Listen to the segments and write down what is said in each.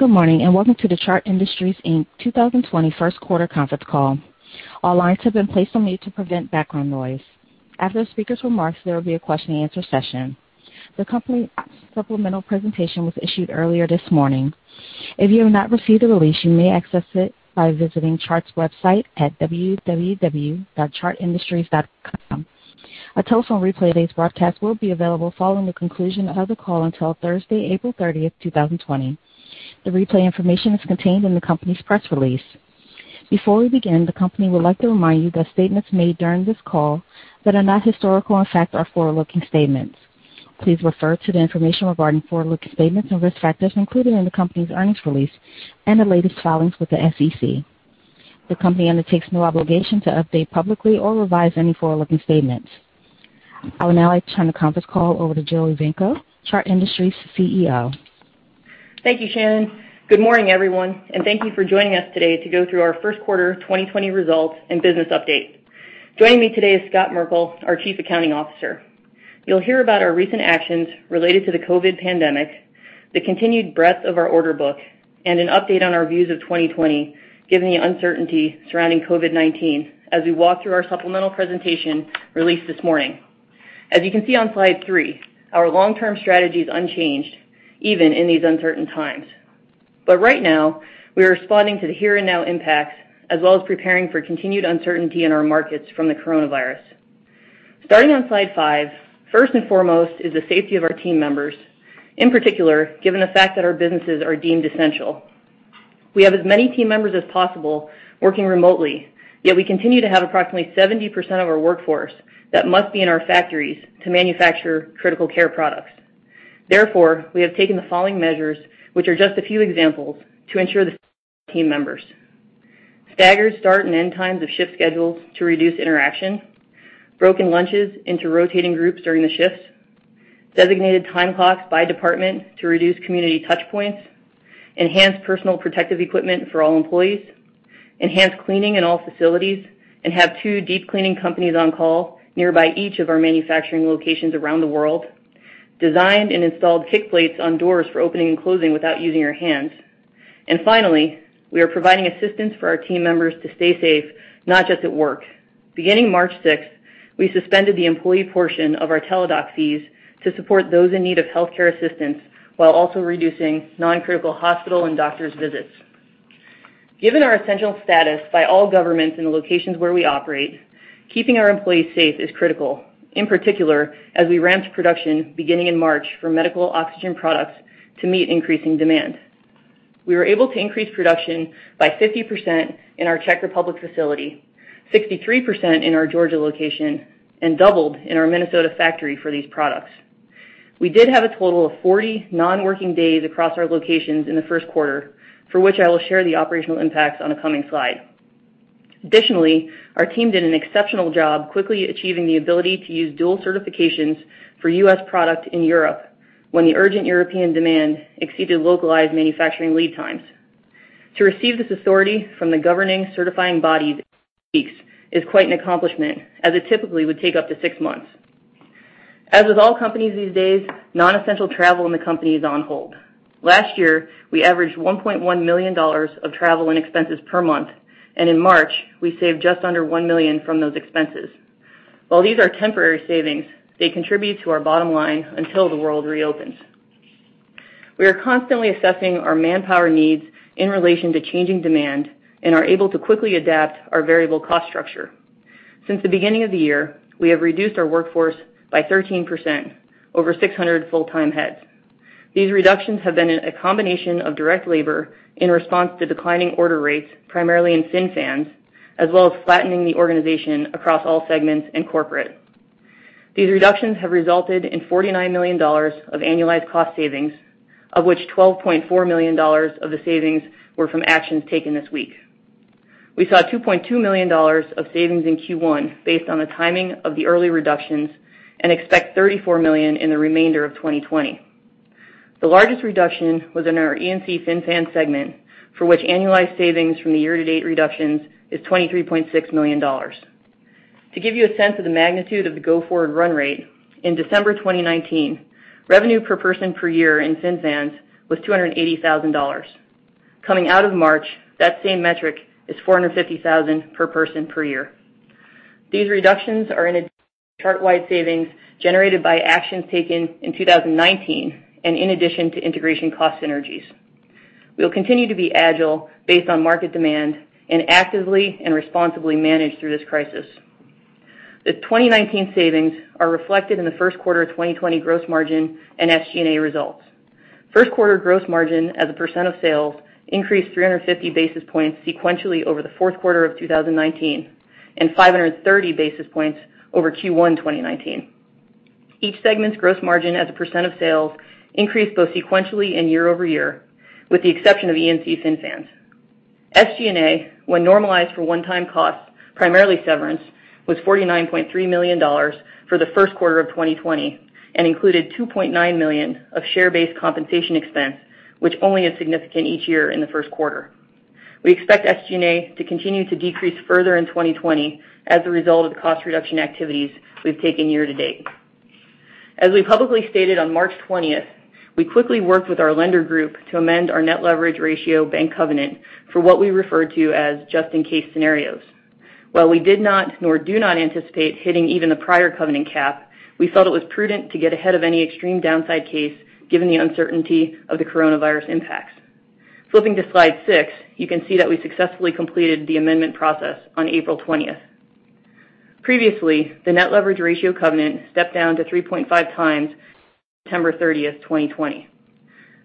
Good morning and welcome to the Chart Industries Inc 2020 first quarter conference call. All lines have been placed on mute to prevent background noise. After the speaker's remarks, there will be a question-and-answer session. The company supplemental presentation was issued earlier this morning. If you have not received a release, you may access it by visiting Chart's website at www.ChartIndustries.com. A telephone replay of today's broadcast will be available following the conclusion of the call until Thursday, April 30, 2020. The replay information is contained in the company's press release. Before we begin, the company would like to remind you that statements made during this call that are not historical, in fact, are forward-looking statements. Please refer to the information regarding forward-looking statements and risk factors included in the company's earnings release and the latest filings with the SEC. The company undertakes no obligation to update publicly or revise any forward-looking statements. I will now turn the conference call over to Jill Evanko, Chart Industries CEO. Thank you, Shannon. Good morning, everyone, and thank you for joining us today to go through our first quarter 2020 results and business update. Joining me today is Scott Merkle, our Chief Accounting Officer. You'll hear about our recent actions related to the COVID pandemic, the continued breadth of our order book, and an update on our views of 2020 given the uncertainty surrounding COVID-19 as we walk through our supplemental presentation released this morning. As you can see on slide three, our long-term strategy is unchanged even in these uncertain times. But right now, we are responding to the here-and-now impacts as well as preparing for continued uncertainty in our markets from the coronavirus. Starting on slide five, first and foremost is the safety of our team members, in particular, given the fact that our businesses are deemed essential. We have as many team members as possible working remotely, yet we continue to have approximately 70% of our workforce that must be in our factories to manufacture critical care products. Therefore, we have taken the following measures, which are just a few examples, to ensure the safety of our team members: staggered start and end times of shift schedules to reduce interaction, broken lunches into rotating groups during the shifts, designated time clocks by department to reduce community touchpoints, enhanced personal protective equipment for all employees, enhanced cleaning in all facilities, and have two deep cleaning companies on call nearby each of our manufacturing locations around the world, designed and installed kick plates on doors for opening and closing without using your hands, and finally, we are providing assistance for our team members to stay safe, not just at work. Beginning March 6, we suspended the employee portion of our Teladoc fees to support those in need of healthcare assistance while also reducing non-critical hospital and doctor's visits. Given our essential status by all governments in the locations where we operate, keeping our employees safe is critical, in particular, as we ramped production beginning in March for medical oxygen products to meet increasing demand. We were able to increase production by 50% in our Czech Republic facility, 63% in our Georgia location, and doubled in our Minnesota factory for these products. We did have a total of 40 non-working days across our locations in the first quarter, for which I will share the operational impacts on a coming slide. Additionally, our team did an exceptional job quickly achieving the ability to use dual certifications for U.S. product in Europe when the urgent European demand exceeded localized manufacturing lead times. To receive this authority from the governing certifying bodies is quite an accomplishment, as it typically would take up to six months. As with all companies these days, non-essential travel in the company is on hold. Last year, we averaged $1.1 million of travel and expenses per month, and in March, we saved just under $1 million from those expenses. While these are temporary savings, they contribute to our bottom line until the world reopens. We are constantly assessing our manpower needs in relation to changing demand and are able to quickly adapt our variable cost structure. Since the beginning of the year, we have reduced our workforce by 13% over 600 full-time heads. These reductions have been a combination of direct labor in response to declining order rates, primarily in FinFans, as well as flattening the organization across all segments and corporate. These reductions have resulted in $49 million of annualized cost savings, of which $12.4 million of the savings were from actions taken this week. We saw $2.2 million of savings in Q1 based on the timing of the early reductions and expect $34 million in the remainder of 2020. The largest reduction was in our E&C FinFans segment, for which annualized savings from the year-to-date reductions is $23.6 million. To give you a sense of the magnitude of the go-forward run rate, in December 2019, revenue per person per year in FinFans was $280,000. Coming out of March, that same metric is $450,000 per person per year. These reductions are in addition to Chart-wide savings generated by actions taken in 2019 and in addition to integration cost synergies. We will continue to be agile based on market demand and actively and responsibly manage through this crisis. The 2019 savings are reflected in the first quarter 2020 gross margin and SG&A results. First quarter gross margin as a percent of sales increased 350 basis points sequentially over the fourth quarter of 2019 and 530 basis points over Q1 2019. Each segment's gross margin as a percent of sales increased both sequentially and year-over-year, with the exception of E&C FinFans. SG&A, when normalized for one-time costs, primarily severance, was $49.3 million for the first quarter of 2020 and included $2.9 million of share-based compensation expense, which only is significant each year in the first quarter. We expect SG&A to continue to decrease further in 2020 as a result of the cost reduction activities we've taken year-to-date. As we publicly stated on March 20, we quickly worked with our lender group to amend our net leverage ratio bank covenant for what we referred to as just-in-case scenarios. While we did not nor do not anticipate hitting even the prior covenant cap, we felt it was prudent to get ahead of any extreme downside case given the uncertainty of the coronavirus impacts. Flipping to slide six, you can see that we successfully completed the amendment process on April 20. Previously, the net leverage ratio covenant stepped down to 3.5x September 30, 2020.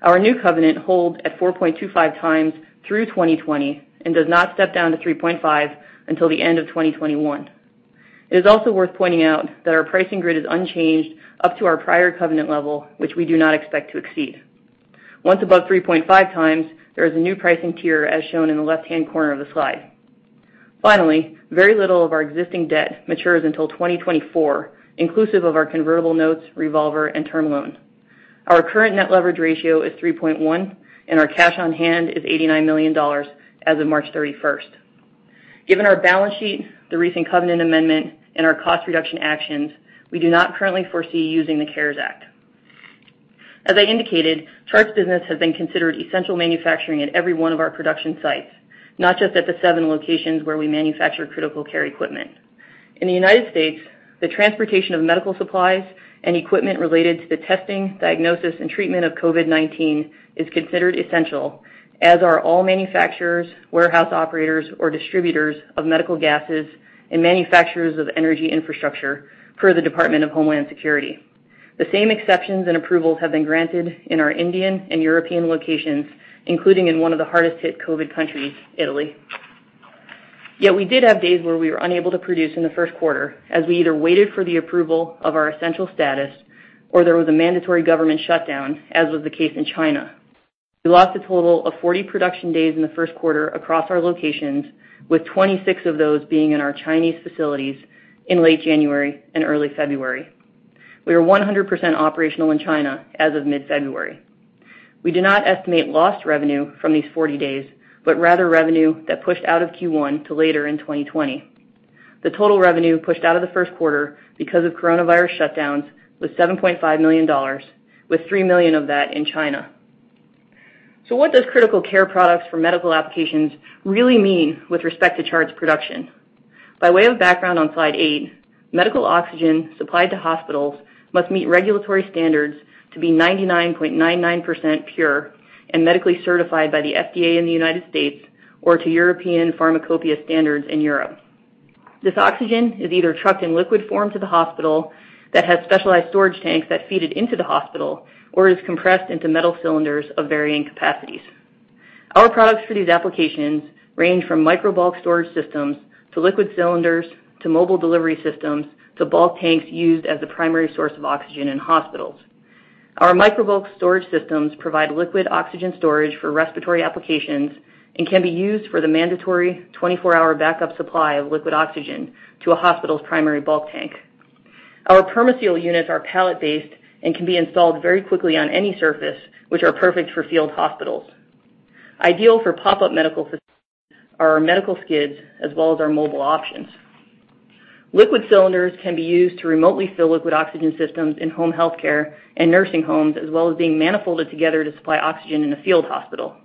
Our new covenant holds at 4.25x through 2020 and does not step down to 3.5x until the end of 2021. It is also worth pointing out that our pricing grid is unchanged up to our prior covenant level, which we do not expect to exceed. Once above 3.5x, there is a new pricing tier as shown in the left-hand corner of the slide. Finally, very little of our existing debt matures until 2024, inclusive of our convertible notes, revolver, and term loan. Our current net leverage ratio is 3.1, and our cash on hand is $89 million as of March 31st. Given our balance sheet, the recent covenant amendment, and our cost reduction actions, we do not currently foresee using the CARES Act. As I indicated, Chart Business has been considered essential manufacturing at every one of our production sites, not just at the seven locations where we manufacture critical care equipment. In the United States, the transportation of medical supplies and equipment related to the testing, diagnosis, and treatment of COVID-19 is considered essential, as are all manufacturers, warehouse operators, or distributors of medical gases and manufacturers of energy infrastructure per the Department of Homeland Security. The same exceptions and approvals have been granted in our Indian and European locations, including in one of the hardest-hit COVID countries, Italy. Yet we did have days where we were unable to produce in the first quarter as we either waited for the approval of our essential status or there was a mandatory government shutdown, as was the case in China. We lost a total of 40 production days in the first quarter across our locations, with 26 of those being in our Chinese facilities in late January and early February. We were 100% operational in China as of mid-February. We do not estimate lost revenue from these 40 days, but rather revenue that pushed out of Q1 to later in 2020. The total revenue pushed out of the first quarter because of coronavirus shutdowns was $7.5 million, with $3 million of that in China. So what does critical care products for medical applications really mean with respect to Chart's production? By way of background on slide eight, medical oxygen supplied to hospitals must meet regulatory standards to be 99.99% pure and medically certified by the FDA in the United States or to European Pharmacopoeia standards in Europe. This oxygen is either trucked in liquid form to the hospital that has specialized storage tanks that feed it into the hospital or is compressed into metal cylinders of varying capacities. Our products for these applications range from MicroBulk Storage Systems to liquid cylinders to mobile delivery systems to bulk tanks used as the primary source of oxygen in hospitals. Our MicroBulk Storage Systems provide liquid oxygen storage for respiratory applications and can be used for the mandatory 24-hour backup supply of liquid oxygen to a hospital's primary bulk tank. Our Perma-Cyl units are pallet-based and can be installed very quickly on any surface, which are perfect for field hospitals. Ideal for pop-up medical facilities are our medical skids as well as our mobile options. Liquid cylinders can be used to remotely fill liquid oxygen systems in home healthcare and nursing homes as well as being manifolded together to supply oxygen in a field hospital.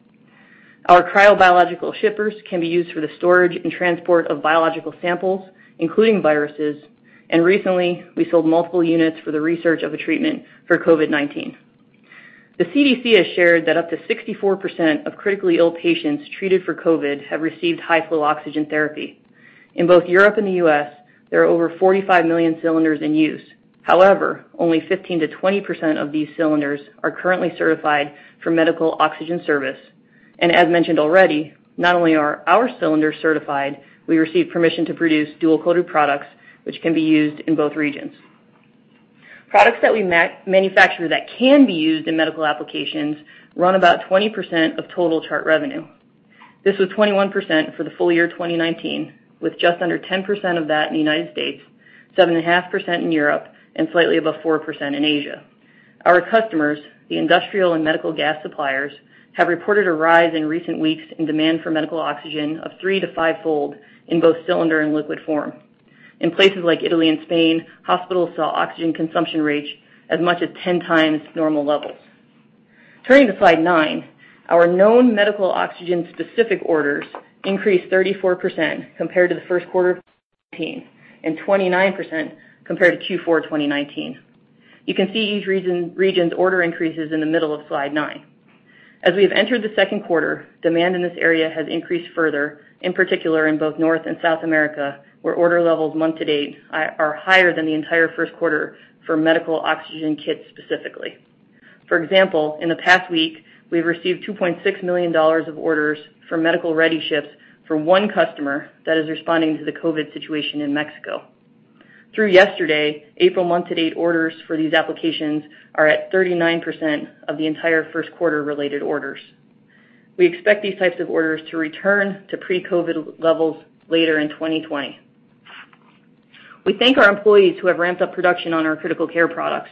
Our cryobiological shippers can be used for the storage and transport of biological samples, including viruses, and recently, we sold multiple units for the research of a treatment for COVID-19. The CDC has shared that up to 64% of critically ill patients treated for COVID have received high-flow oxygen therapy. In both Europe and the U.S., there are over 45 million cylinders in use. However, only 15%-20% of these cylinders are currently certified for medical oxygen service, and as mentioned already, not only are our cylinders certified, we received permission to produce dual-coded products, which can be used in both regions. Products that we manufacture that can be used in medical applications run about 20% of total Chart revenue. This was 21% for the full year 2019, with just under 10% of that in the United States, 7.5% in Europe, and slightly above 4% in Asia. Our customers, the industrial and medical gas suppliers, have reported a rise in recent weeks in demand for medical oxygen of three to five-fold in both cylinder and liquid form. In places like Italy and Spain, hospitals saw oxygen consumption rates as much as 10x normal levels. Turning to slide nine, our known medical oxygen-specific orders increased 34% compared to the first quarter of 2019 and 29% compared to Q4 2019. You can see each region's order increases in the middle of slide nine. As we have entered the second quarter, demand in this area has increased further, in particular in both North and South America, where order levels month-to-date are higher than the entire first quarter for medical oxygen kits specifically. For example, in the past week, we've received $2.6 million of orders for medical-ready shippers for one customer that is responding to the COVID situation in Mexico. Through yesterday, April month-to-date orders for these applications are at 39% of the entire first quarter related orders. We expect these types of orders to return to pre-COVID levels later in 2020. We thank our employees who have ramped up production on our critical care products.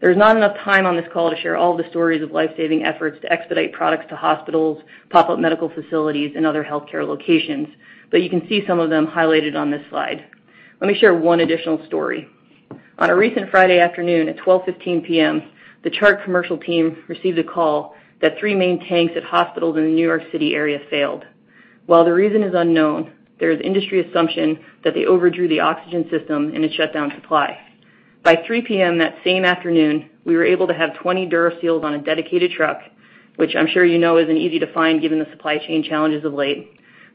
There is not enough time on this call to share all of the stories of lifesaving efforts to expedite products to hospitals, pop-up medical facilities, and other healthcare locations, but you can see some of them highlighted on this slide. Let me share one additional story. On a recent Friday afternoon at 12:15 P.M., the Chart commercial team received a call that three main tanks at hospitals in the New York City area failed. While the reason is unknown, there is industry assumption that they overdrew the oxygen system and it shut down supply. By 3:00 P.M. that same afternoon, we were able to have 20 Dura-Cyl on a dedicated truck, which I'm sure you know isn't easy to find given the supply chain challenges of late,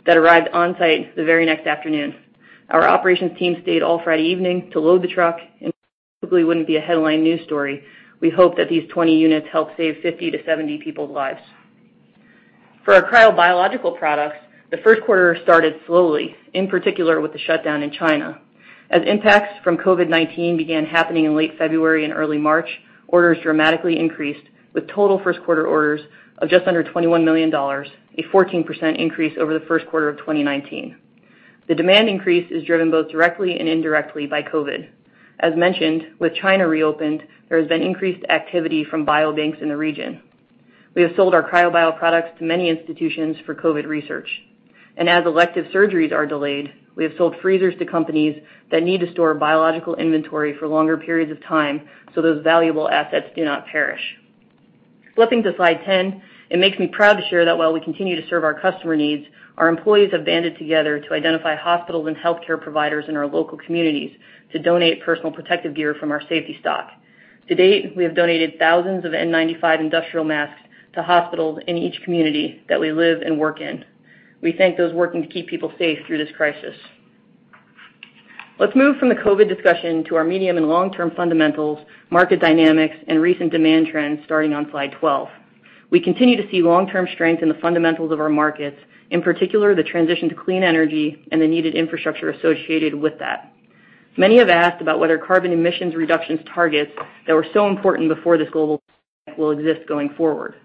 that arrived on site the very next afternoon. Our operations team stayed all Friday evening to load the truck, and it typically wouldn't be a headline news story. We hope that these 20 units help save 50-70 people's lives. For our cryobiological products, the first quarter started slowly, in particular with the shutdown in China. As impacts from COVID-19 began happening in late February and early March, orders dramatically increased, with total first quarter orders of just under $21 million, a 14% increase over the first quarter of 2019. The demand increase is driven both directly and indirectly by COVID. As mentioned, with China reopened, there has been increased activity from biobanks in the region. We have sold our cryobio products to many institutions for COVID research. As elective surgeries are delayed, we have sold freezers to companies that need to store biological inventory for longer periods of time so those valuable assets do not perish. Flipping to slide 10, it makes me proud to share that while we continue to serve our customer needs, our employees have banded together to identify hospitals and healthcare providers in our local communities to donate personal protective gear from our safety stock. To date, we have donated thousands of N95 industrial masks to hospitals in each community that we live and work in. We thank those working to keep people safe through this crisis. Let's move from the COVID discussion to our medium and long-term fundamentals, market dynamics, and recent demand trends starting on slide 12. We continue to see long-term strength in the fundamentals of our markets, in particular the transition to clean energy and the needed infrastructure associated with that. Many have asked about whether carbon emissions reductions targets that were so important before this global pandemic will exist going forward.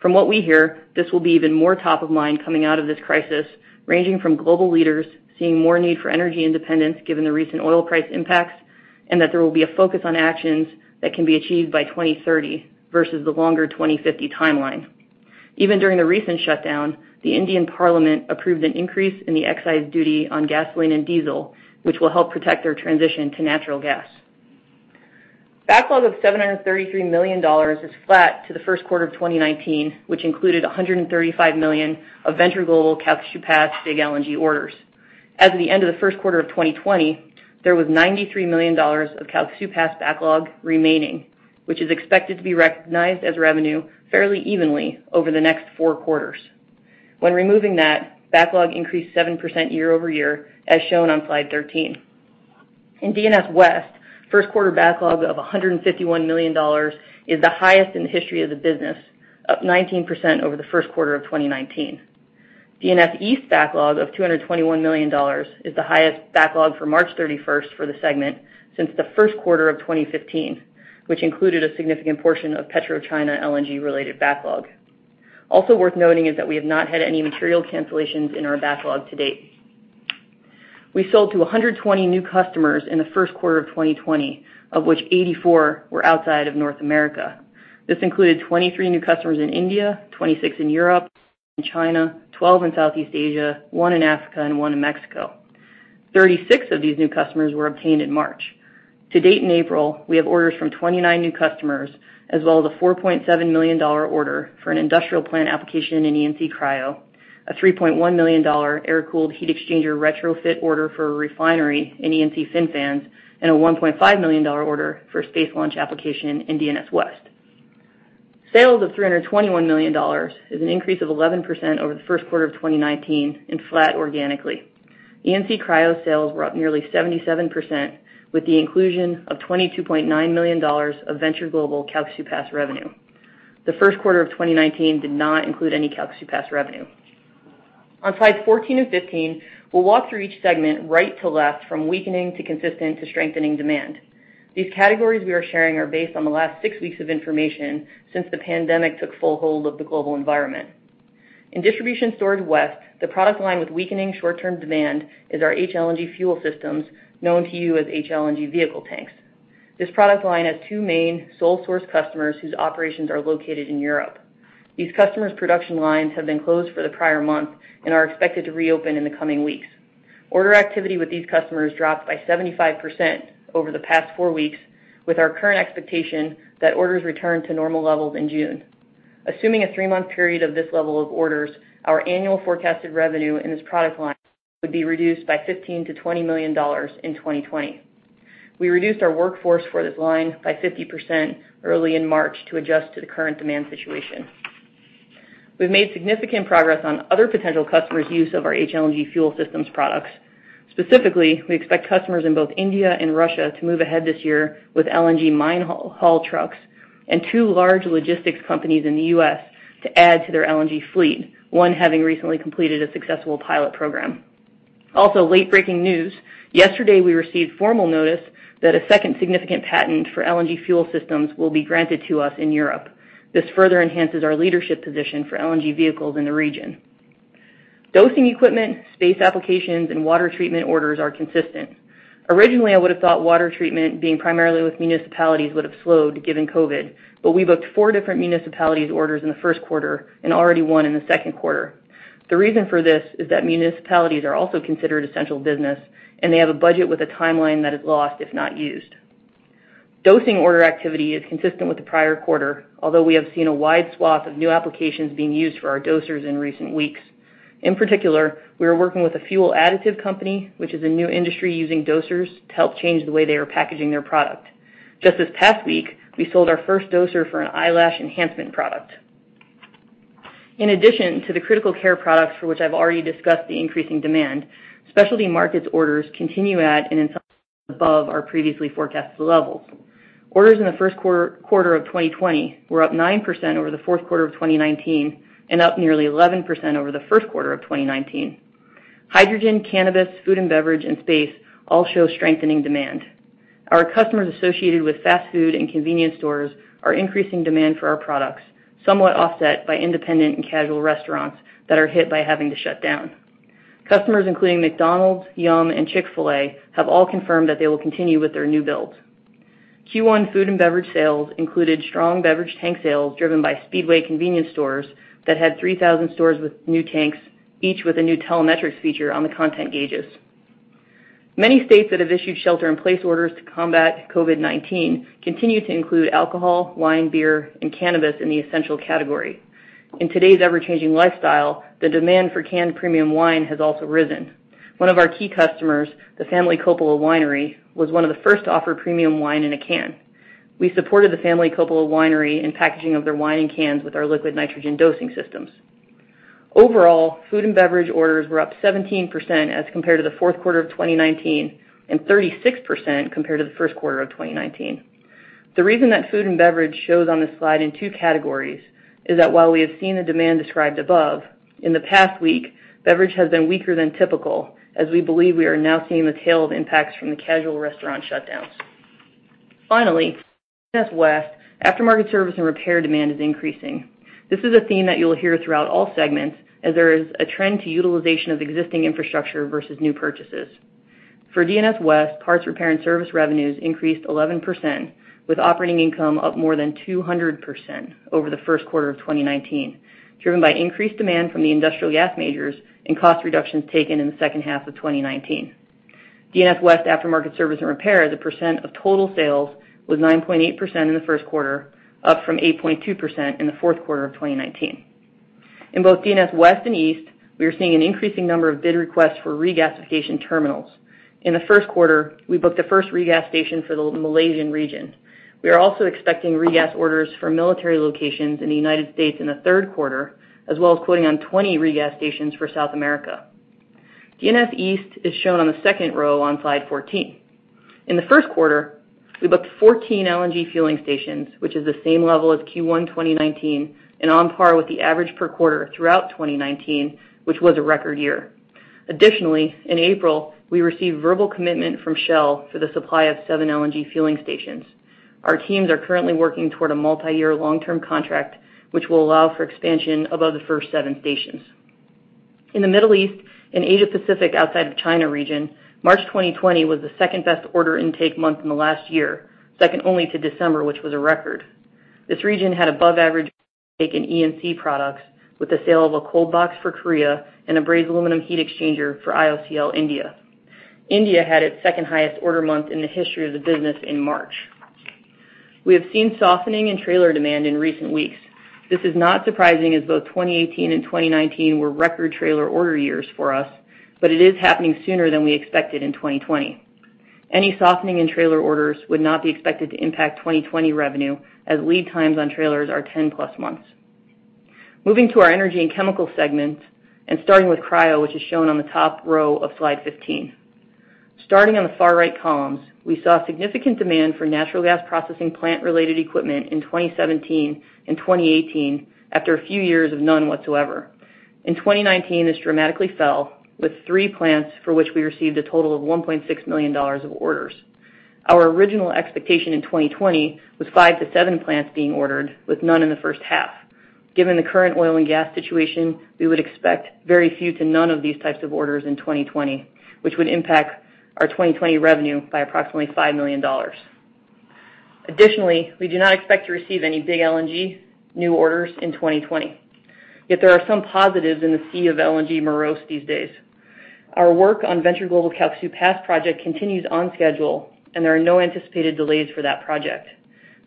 From what we hear, this will be even more top of mind coming out of this crisis, ranging from global leaders seeing more need for energy independence given the recent oil price impacts and that there will be a focus on actions that can be achieved by 2030 versus the longer 2050 timeline. Even during the recent shutdown, the Indian Parliament approved an increase in the excise duty on gasoline and diesel, which will help protect their transition to natural gas. Backlog of $733 million is flat to the first quarter of 2019, which included $135 million of Venture Global Calcasieu Pass big LNG orders. As of the end of the first quarter of 2020, there was $93 million of Calcasieu Pass backlog remaining, which is expected to be recognized as revenue fairly evenly over the next four quarters. When removing that, backlog increased 7% year-over-year, as shown on slide 13. In D&S West, first quarter backlog of $151 million is the highest in the history of the business, up 19% over the first quarter of 2019. D&S East backlog of $221 million is the highest backlog for March 31 for the segment since the first quarter of 2015, which included a significant portion of PetroChina LNG-related backlog. Also worth noting is that we have not had any material cancellations in our backlog to date. We sold to 120 new customers in the first quarter of 2020, of which 84 were outside of North America. This included 23 new customers in India, 26 in Europe and China, 12 in Southeast Asia, one in Africa, and one in Mexico. 36 of these new customers were obtained in March. To date in April, we have orders from 29 new customers as well as a $4.7 million order for an industrial plant application in E&C Cryo, a $3.1 million air-cooled heat exchanger retrofit order for a refinery in E&C FinFans, and a $1.5 million order for a space launch application in D&S West. Sales of $321 million is an increase of 11% over the first quarter of 2019 and flat organically. E&C Cryo sales were up nearly 77% with the inclusion of $22.9 million of Venture Global Calcasieu Pass revenue. The first quarter of 2019 did not include any Calcasieu Pass revenue. On slides 14 and 15, we'll walk through each segment right to left from weakening to consistent to strengthening demand. These categories we are sharing are based on the last six weeks of information since the pandemic took full hold of the global environment. In Distribution & Storage West, the product line with weakening short-term demand is our HLNG fuel systems, known to you as HLNG vehicle tanks. This product line has two main sole-source customers whose operations are located in Europe. These customers' production lines have been closed for the prior month and are expected to reopen in the coming weeks. Order activity with these customers dropped by 75% over the past four weeks, with our current expectation that orders return to normal levels in June. Assuming a three-month period of this level of orders, our annual forecasted revenue in this product line would be reduced by $15 million-$20 million in 2020. We reduced our workforce for this line by 50% early in March to adjust to the current demand situation. We've made significant progress on other potential customers' use of our HLNG fuel systems products. Specifically, we expect customers in both India and Russia to move ahead this year with LNG mine haul trucks and two large logistics companies in the U.S. to add to their LNG fleet, one having recently completed a successful pilot program. Also, late-breaking news, yesterday we received formal notice that a second significant patent for LNG fuel systems will be granted to us in Europe. This further enhances our leadership position for LNG vehicles in the region. Dosing equipment, space applications, and water treatment orders are consistent. Originally, I would have thought water treatment being primarily with municipalities would have slowed given COVID, but we booked four different municipalities' orders in the first quarter and already one in the second quarter. The reason for this is that municipalities are also considered essential business, and they have a budget with a timeline that is lost if not used. Dosing order activity is consistent with the prior quarter, although we have seen a wide swath of new applications being used for our dosers in recent weeks. In particular, we are working with a fuel additive company, which is a new industry using dosers to help change the way they are packaging their product. Just this past week, we sold our first doser for an eyelash enhancement product. In addition to the critical care products for which I've already discussed the increasing demand, specialty markets orders continue at and in some cases above our previously forecasted levels. Orders in the first quarter of 2020 were up 9% over the fourth quarter of 2019 and up nearly 11% over the first quarter of 2019. Hydrogen, cannabis, food and beverage, and space all show strengthening demand. Our customers associated with fast food and convenience stores are increasing demand for our products, somewhat offset by independent and casual restaurants that are hit by having to shut down. Customers including McDonald's, Yum, and Chick-fil-A have all confirmed that they will continue with their new builds. Q1 food and beverage sales included strong beverage tank sales driven by Speedway convenience stores that had 3,000 stores with new tanks, each with a new telemetry feature on the content gauges. Many states that have issued shelter-in-place orders to combat COVID-19 continue to include alcohol, wine, beer, and cannabis in the essential category. In today's ever-changing lifestyle, the demand for canned premium wine has also risen. One of our key customers, The Family Coppola Winery, was one of the first to offer premium wine in a can. We supported The Family Coppola Winery in packaging of their wine and cans with our liquid nitrogen dosing systems. Overall, food and beverage orders were up 17% as compared to the fourth quarter of 2019 and 36% compared to the first quarter of 2019. The reason that food and beverage shows on this slide in two categories is that while we have seen the demand described above, in the past week, beverage has been weaker than typical as we believe we are now seeing the tail of impacts from the casual restaurant shutdowns. Finally, in D&S West, aftermarket service and repair demand is increasing. This is a theme that you'll hear throughout all segments as there is a trend to utilization of existing infrastructure versus new purchases. For D&S West, parts repair and service revenues increased 11%, with operating income up more than 200% over the first quarter of 2019, driven by increased demand from the industrial gas majors and cost reductions taken in the second half of 2019. D&S West aftermarket service and repair as a percent of total sales was 9.8% in the first quarter, up from 8.2% in the fourth quarter of 2019. In both D&S West and East, we are seeing an increasing number of bid requests for regasification terminals. In the first quarter, we booked the first regas station for the Malaysian region. We are also expecting regas orders for military locations in the United States in the third quarter, as well as quoting on 20 regas stations for South America. D&S East is shown on the second row on slide 14. In the first quarter, we booked 14 LNG fueling stations, which is the same level as Q1 2019 and on par with the average per quarter throughout 2019, which was a record year. Additionally, in April, we received verbal commitment from Shell for the supply of seven LNG fueling stations. Our teams are currently working toward a multi-year long-term contract, which will allow for expansion above the first seven stations. In the Middle East and Asia-Pacific outside of China region, March 2020 was the second best order intake month in the last year, second only to December, which was a record. This region had above-average intake in E&C products with the sale of a cold box for Korea and a brazed aluminum heat exchanger for IOCL India. India had its second highest order month in the history of the business in March. We have seen softening in trailer demand in recent weeks. This is not surprising as both 2018 and 2019 were record trailer order years for us, but it is happening sooner than we expected in 2020. Any softening in trailer orders would not be expected to impact 2020 revenue as lead times on trailers are 10+ months. Moving to our energy and chemical segment and starting with Cryo, which is shown on the top row of slide 15. Starting on the far right columns, we saw significant demand for natural gas processing plant-related equipment in 2017 and 2018 after a few years of none whatsoever. In 2019, this dramatically fell with three plants for which we received a total of $1.6 million of orders. Our original expectation in 2020 was five to seven plants being ordered with none in the first half. Given the current oil and gas situation, we would expect very few to none of these types of orders in 2020, which would impact our 2020 revenue by approximately $5 million. Additionally, we do not expect to receive any big LNG new orders in 2020. Yet there are some positives in the sea of LNG morass these days. Our work on Venture Global Calcasieu Pass project continues on schedule, and there are no anticipated delays for that project.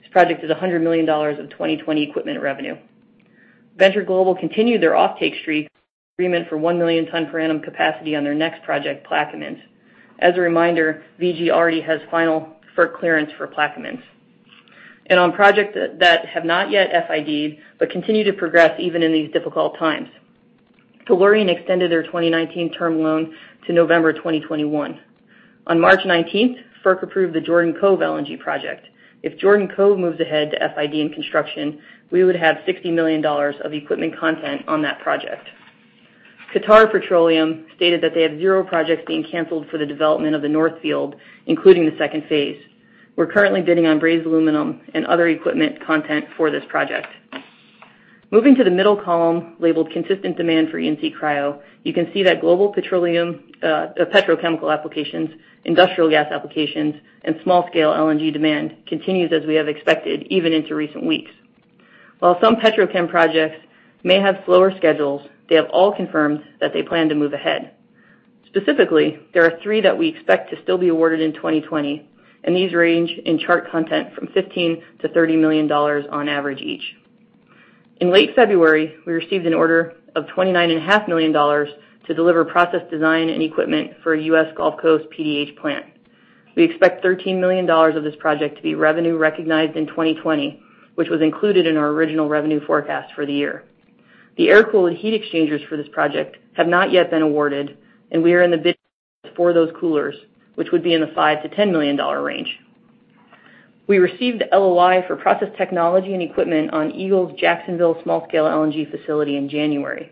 This project is $100 million of 2020 equipment revenue. Venture Global continued their off-take agreement for 1 million tons per annum capacity on their next project, Plaquemines. As a reminder, VG already has final FERC clearance for Plaquemines. On projects that have not yet FIDed but continue to progress even in these difficult times. Tellurian extended their 2019 term loan to November 2021. On March 19, FERC approved the Jordan Cove LNG project. If Jordan Cove moves ahead to FID and construction, we would have $60 million of equipment content on that project. Qatar Petroleum stated that they have zero projects being canceled for the development of the North Field, including the second phase. We're currently bidding on brazed aluminum and other equipment content for this project. Moving to the middle column labeled consistent demand for E&C Cryo, you can see that global petrochemical applications, industrial gas applications, and small-scale LNG demand continues as we have expected even into recent weeks. While some petrochem projects may have slower schedules, they have all confirmed that they plan to move ahead. Specifically, there are three that we expect to still be awarded in 2020, and these range in Chart content from $15 million-$30 million on average each. In late February, we received an order of $29.5 million to deliver process design and equipment for a U.S. Gulf Coast PDH plant. We expect $13 million of this project to be revenue recognized in 2020, which was included in our original revenue forecast for the year. The air-cooled heat exchangers for this project have not yet been awarded, and we are in the bid for those coolers, which would be in the $5 million-$10 million range. We received the LOI for process technology and equipment on Eagle's Jacksonville small-scale LNG facility in January.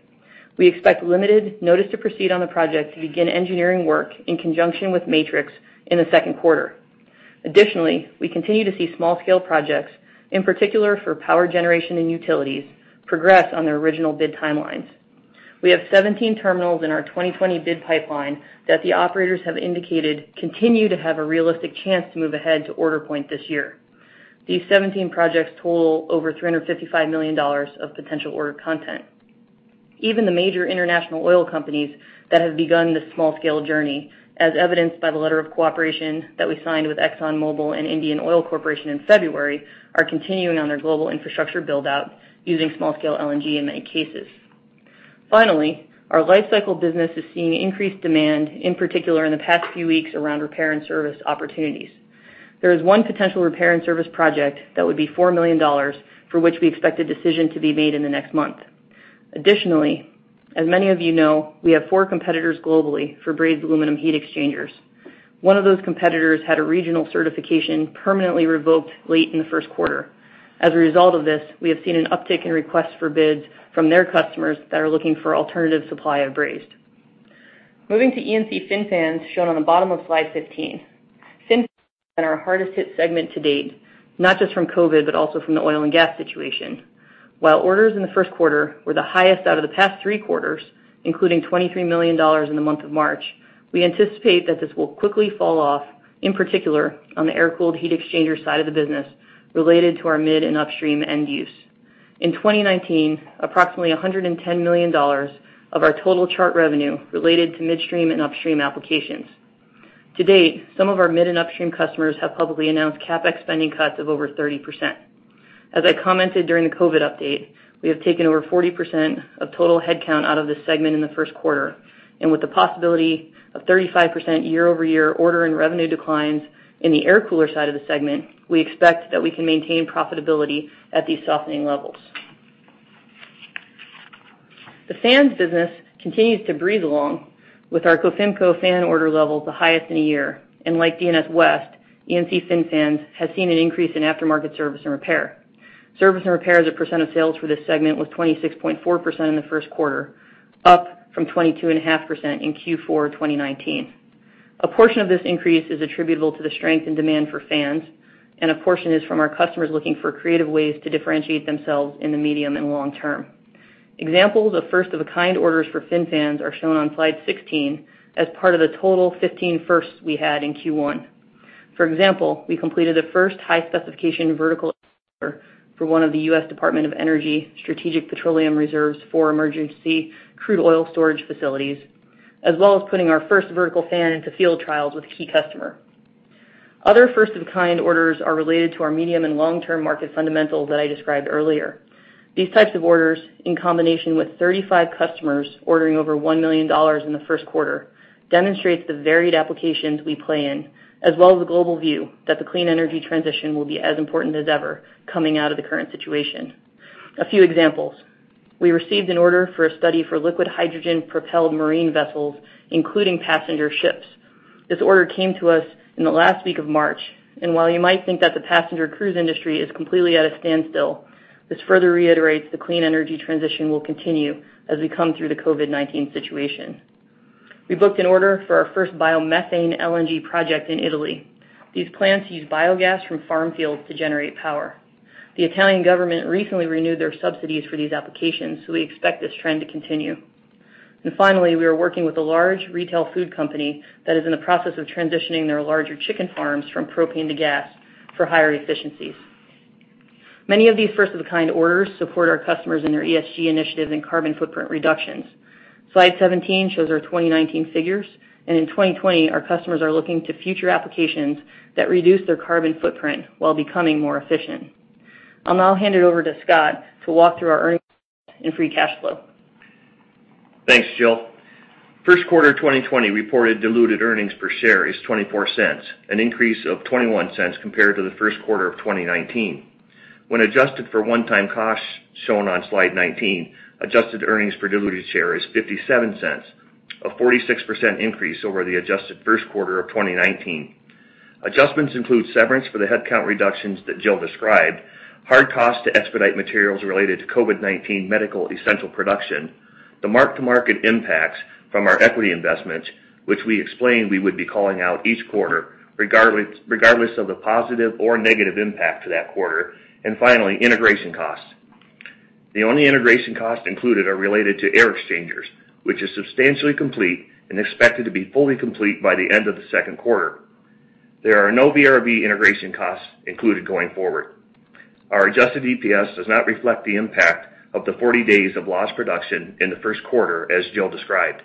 We expect limited notice to proceed on the project to begin engineering work in conjunction with Matrix in the second quarter. Additionally, we continue to see small-scale projects, in particular for power generation and utilities, progress on their original bid timelines. We have 17 terminals in our 2020 bid pipeline that the operators have indicated continue to have a realistic chance to move ahead to order point this year. These 17 projects total over $355 million of potential order content. Even the major international oil companies that have begun the small-scale journey, as evidenced by the letter of cooperation that we signed with ExxonMobil and Indian Oil Corporation in February, are continuing on their global infrastructure build-out using small-scale LNG in many cases. Finally, our Lifecycle business is seeing increased demand, in particular in the past few weeks around repair and service opportunities. There is one potential repair and service project that would be $4 million for which we expect a decision to be made in the next month. Additionally, as many of you know, we have four competitors globally for brazed aluminum heat exchangers. One of those competitors had a regional certification permanently revoked late in the first quarter. As a result of this, we have seen an uptick in requests for bids from their customers that are looking for alternative supply of brazed. Moving to E&C FinFans, shown on the bottom of slide 15. FinFans has been our hardest-hit segment to date, not just from COVID but also from the oil and gas situation. While orders in the first quarter were the highest out of the past three quarters, including $23 million in the month of March, we anticipate that this will quickly fall off, in particular on the air-cooled heat exchanger side of the business related to our midstream and upstream end use. In 2019, approximately $110 million of our total Chart revenue related to midstream and upstream applications. To date, some of our midstream and upstream customers have publicly announced CapEx spending cuts of over 30%. As I commented during the COVID update, we have taken over 40% of total headcount out of this segment in the first quarter. With the possibility of 35% year-over-year order and revenue declines in the air cooler side of the segment, we expect that we can maintain profitability at these softening levels. The fans business continues to breeze along with our Cofimco fan order levels the highest in a year, and like D&S West, E&C FinFans has seen an increase in aftermarket service and repair. Service and repair as a percent of sales for this segment was 26.4% in the first quarter, up from 22.5% in Q4 2019. A portion of this increase is attributable to the strength and demand for fans, and a portion is from our customers looking for creative ways to differentiate themselves in the medium and long term. Examples of first-of-a-kind orders for FinFans are shown on slide 16 as part of the total 15 firsts we had in Q1. For example, we completed the first high-specification vertical order for one of the U.S. Department of Energy strategic petroleum reserves for emergency crude oil storage facilities, as well as putting our first vertical fan into field trials with a key customer. Other first-of-a-kind orders are related to our medium and long-term market fundamentals that I described earlier. These types of orders, in combination with 35 customers ordering over $1 million in the first quarter, demonstrate the varied applications we play in, as well as the global view that the clean energy transition will be as important as ever coming out of the current situation. A few examples. We received an order for a study for liquid hydrogen-propelled marine vessels, including passenger ships. This order came to us in the last week of March. And while you might think that the passenger cruise industry is completely at a standstill, this further reiterates the clean energy transition will continue as we come through the COVID-19 situation. We booked an order for our first biomethane LNG project in Italy. These plants use biogas from farm fields to generate power. The Italian government recently renewed their subsidies for these applications, so we expect this trend to continue. And finally, we are working with a large retail food company that is in the process of transitioning their larger chicken farms from propane to gas for higher efficiencies. Many of these first-of-a-kind orders support our customers in their ESG initiatives and carbon footprint reductions. Slide 17 shows our 2019 figures. In 2020, our customers are looking to future applications that reduce their carbon footprint while becoming more efficient. I'll now hand it over to Scott to walk through our earnings and free cash flow. Thanks, Jill. First quarter 2020 reported diluted earnings per share is $0.24, an increase of $0.21 compared to the first quarter of 2019. When adjusted for one-time costs shown on slide 19, adjusted earnings per diluted share is $0.57, a 46% increase over the adjusted first quarter of 2019. Adjustments include severance for the headcount reductions that Jill described, hard costs to expedite materials related to COVID-19 medical essential production, the mark-to-market impacts from our equity investments, which we explained we would be calling out each quarter regardless of the positive or negative impact for that quarter, and finally, integration costs. The only integration costs included are related to Air-X-Changers, which is substantially complete and expected to be fully complete by the end of the second quarter. There are no VRV integration costs included going forward. Our adjusted EPS does not reflect the impact of the 40 days of lost production in the first quarter, as Jill described.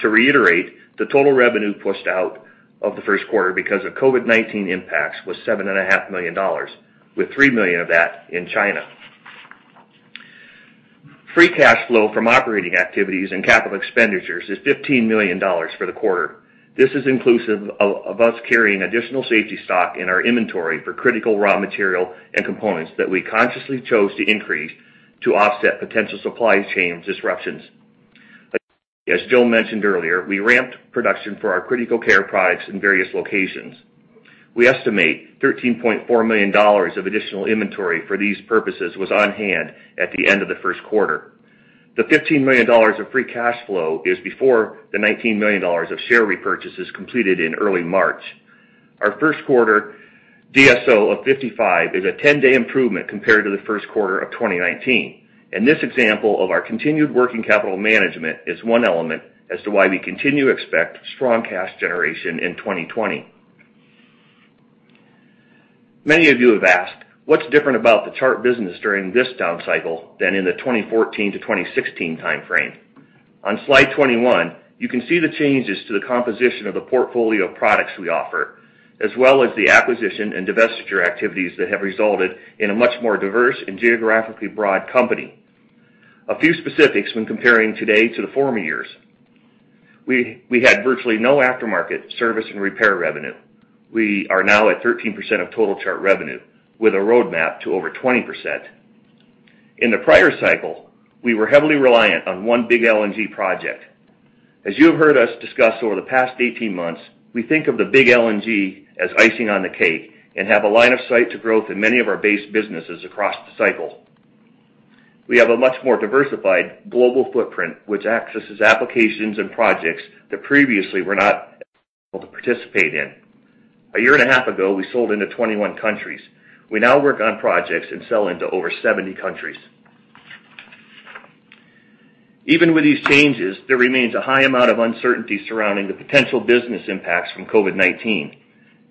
To reiterate, the total revenue pushed out of the first quarter because of COVID-19 impacts was $7.5 million, with $3 million of that in China. Free cash flow from operating activities and capital expenditures is $15 million for the quarter. This is inclusive of us carrying additional safety stock in our inventory for critical raw material and components that we consciously chose to increase to offset potential supply chain disruptions. As Jill mentioned earlier, we ramped production for our critical care products in various locations. We estimate $13.4 million of additional inventory for these purposes was on hand at the end of the first quarter. The $15 million of free cash flow is before the $19 million of share repurchases completed in early March. Our first quarter DSO of 55 is a 10-day improvement compared to the first quarter of 2019. This example of our continued working capital management is one element as to why we continue to expect strong cash generation in 2020. Many of you have asked, what's different about the Chart Business during this down cycle than in the 2014-2016 timeframe? On slide 21, you can see the changes to the composition of the portfolio of products we offer, as well as the acquisition and divestiture activities that have resulted in a much more diverse and geographically broad company. A few specifics when comparing today to the former years. We had virtually no aftermarket service and repair revenue. We are now at 13% of total Chart revenue, with a roadmap to over 20%. In the prior cycle, we were heavily reliant on one big LNG project. As you have heard us discuss over the past 18 months, we think of the big LNG as icing on the cake and have a line of sight to growth in many of our base businesses across the cycle. We have a much more diversified global footprint, which accesses applications and projects that previously were not able to participate in. A year and a half ago, we sold into 21 countries. We now work on projects and sell into over 70 countries. Even with these changes, there remains a high amount of uncertainty surrounding the potential business impacts from COVID-19.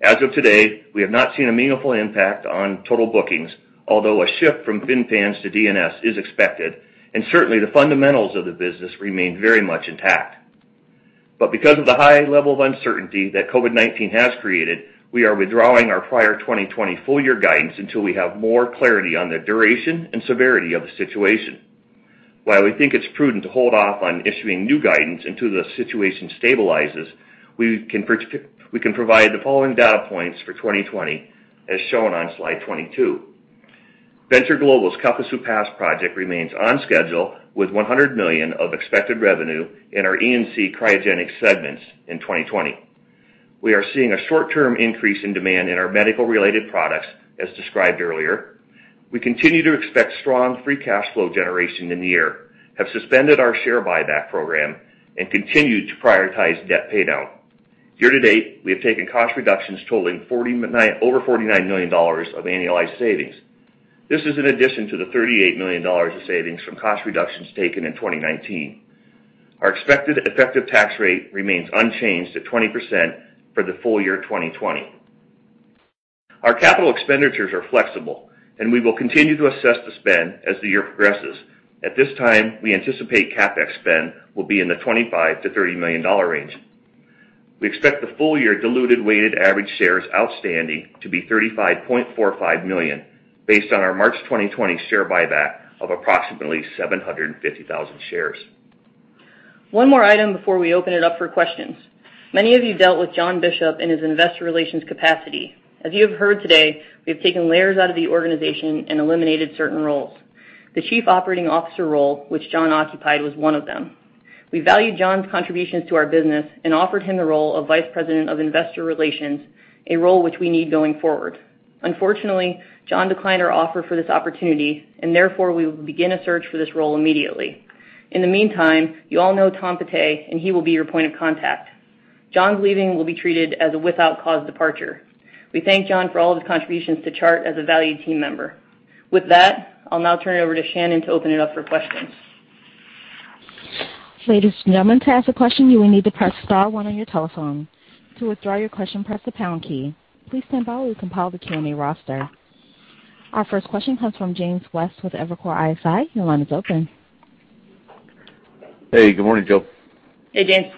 As of today, we have not seen a meaningful impact on total bookings, although a shift from FinFans to D&S is expected, and certainly the fundamentals of the business remain very much intact. But because of the high level of uncertainty that COVID-19 has created, we are withdrawing our prior 2020 full-year guidance until we have more clarity on the duration and severity of the situation. While we think it's prudent to hold off on issuing new guidance until the situation stabilizes, we can provide the following data points for 2020, as shown on slide 22. Venture Global's Calcasieu Pass project remains on schedule with $100 million of expected revenue in our E&C Cryo segments in 2020. We are seeing a short-term increase in demand in our medical-related products, as described earlier. We continue to expect strong free cash flow generation in the year, have suspended our share buyback program, and continued to prioritize debt paydown. Year to date, we have taken cost reductions totaling over $49 million of annualized savings. This is in addition to the $38 million of savings from cost reductions taken in 2019. Our expected effective tax rate remains unchanged at 20% for the full year 2020. Our capital expenditures are flexible, and we will continue to assess the spend as the year progresses. At this time, we anticipate CapEx spend will be in the $25 million-$30 million range. We expect the full-year diluted weighted average shares outstanding to be $35.45 million, based on our March 2020 share buyback of approximately 750,000 shares. One more item before we open it up for questions. Many of you dealt with John Bishop and his Investor Relations capacity. As you have heard today, we have taken layers out of the organization and eliminated certain roles. The Chief Operating Officer role, which John occupied, was one of them. We valued John's contributions to our business and offered him the role of Vice President of Investor Relations, a role which we need going forward. Unfortunately, John declined our offer for this opportunity, and therefore we will begin a search for this role immediately. In the meantime, you all know Tom Pittet, and he will be your point of contact. John's leaving will be treated as a without-cause departure. We thank John for all of his contributions to Chart as a valued team member. With that, I'll now turn it over to Shannon to open it up for questions. Ladies and gentlemen, to ask a question, you will need to press star one on your telephone. To withdraw your question, press the pound key. Please stand by while we compile the Q&A roster. Our first question comes from James West with Evercore ISI. Your line is open. Hey, good morning, Jill. Hey, James.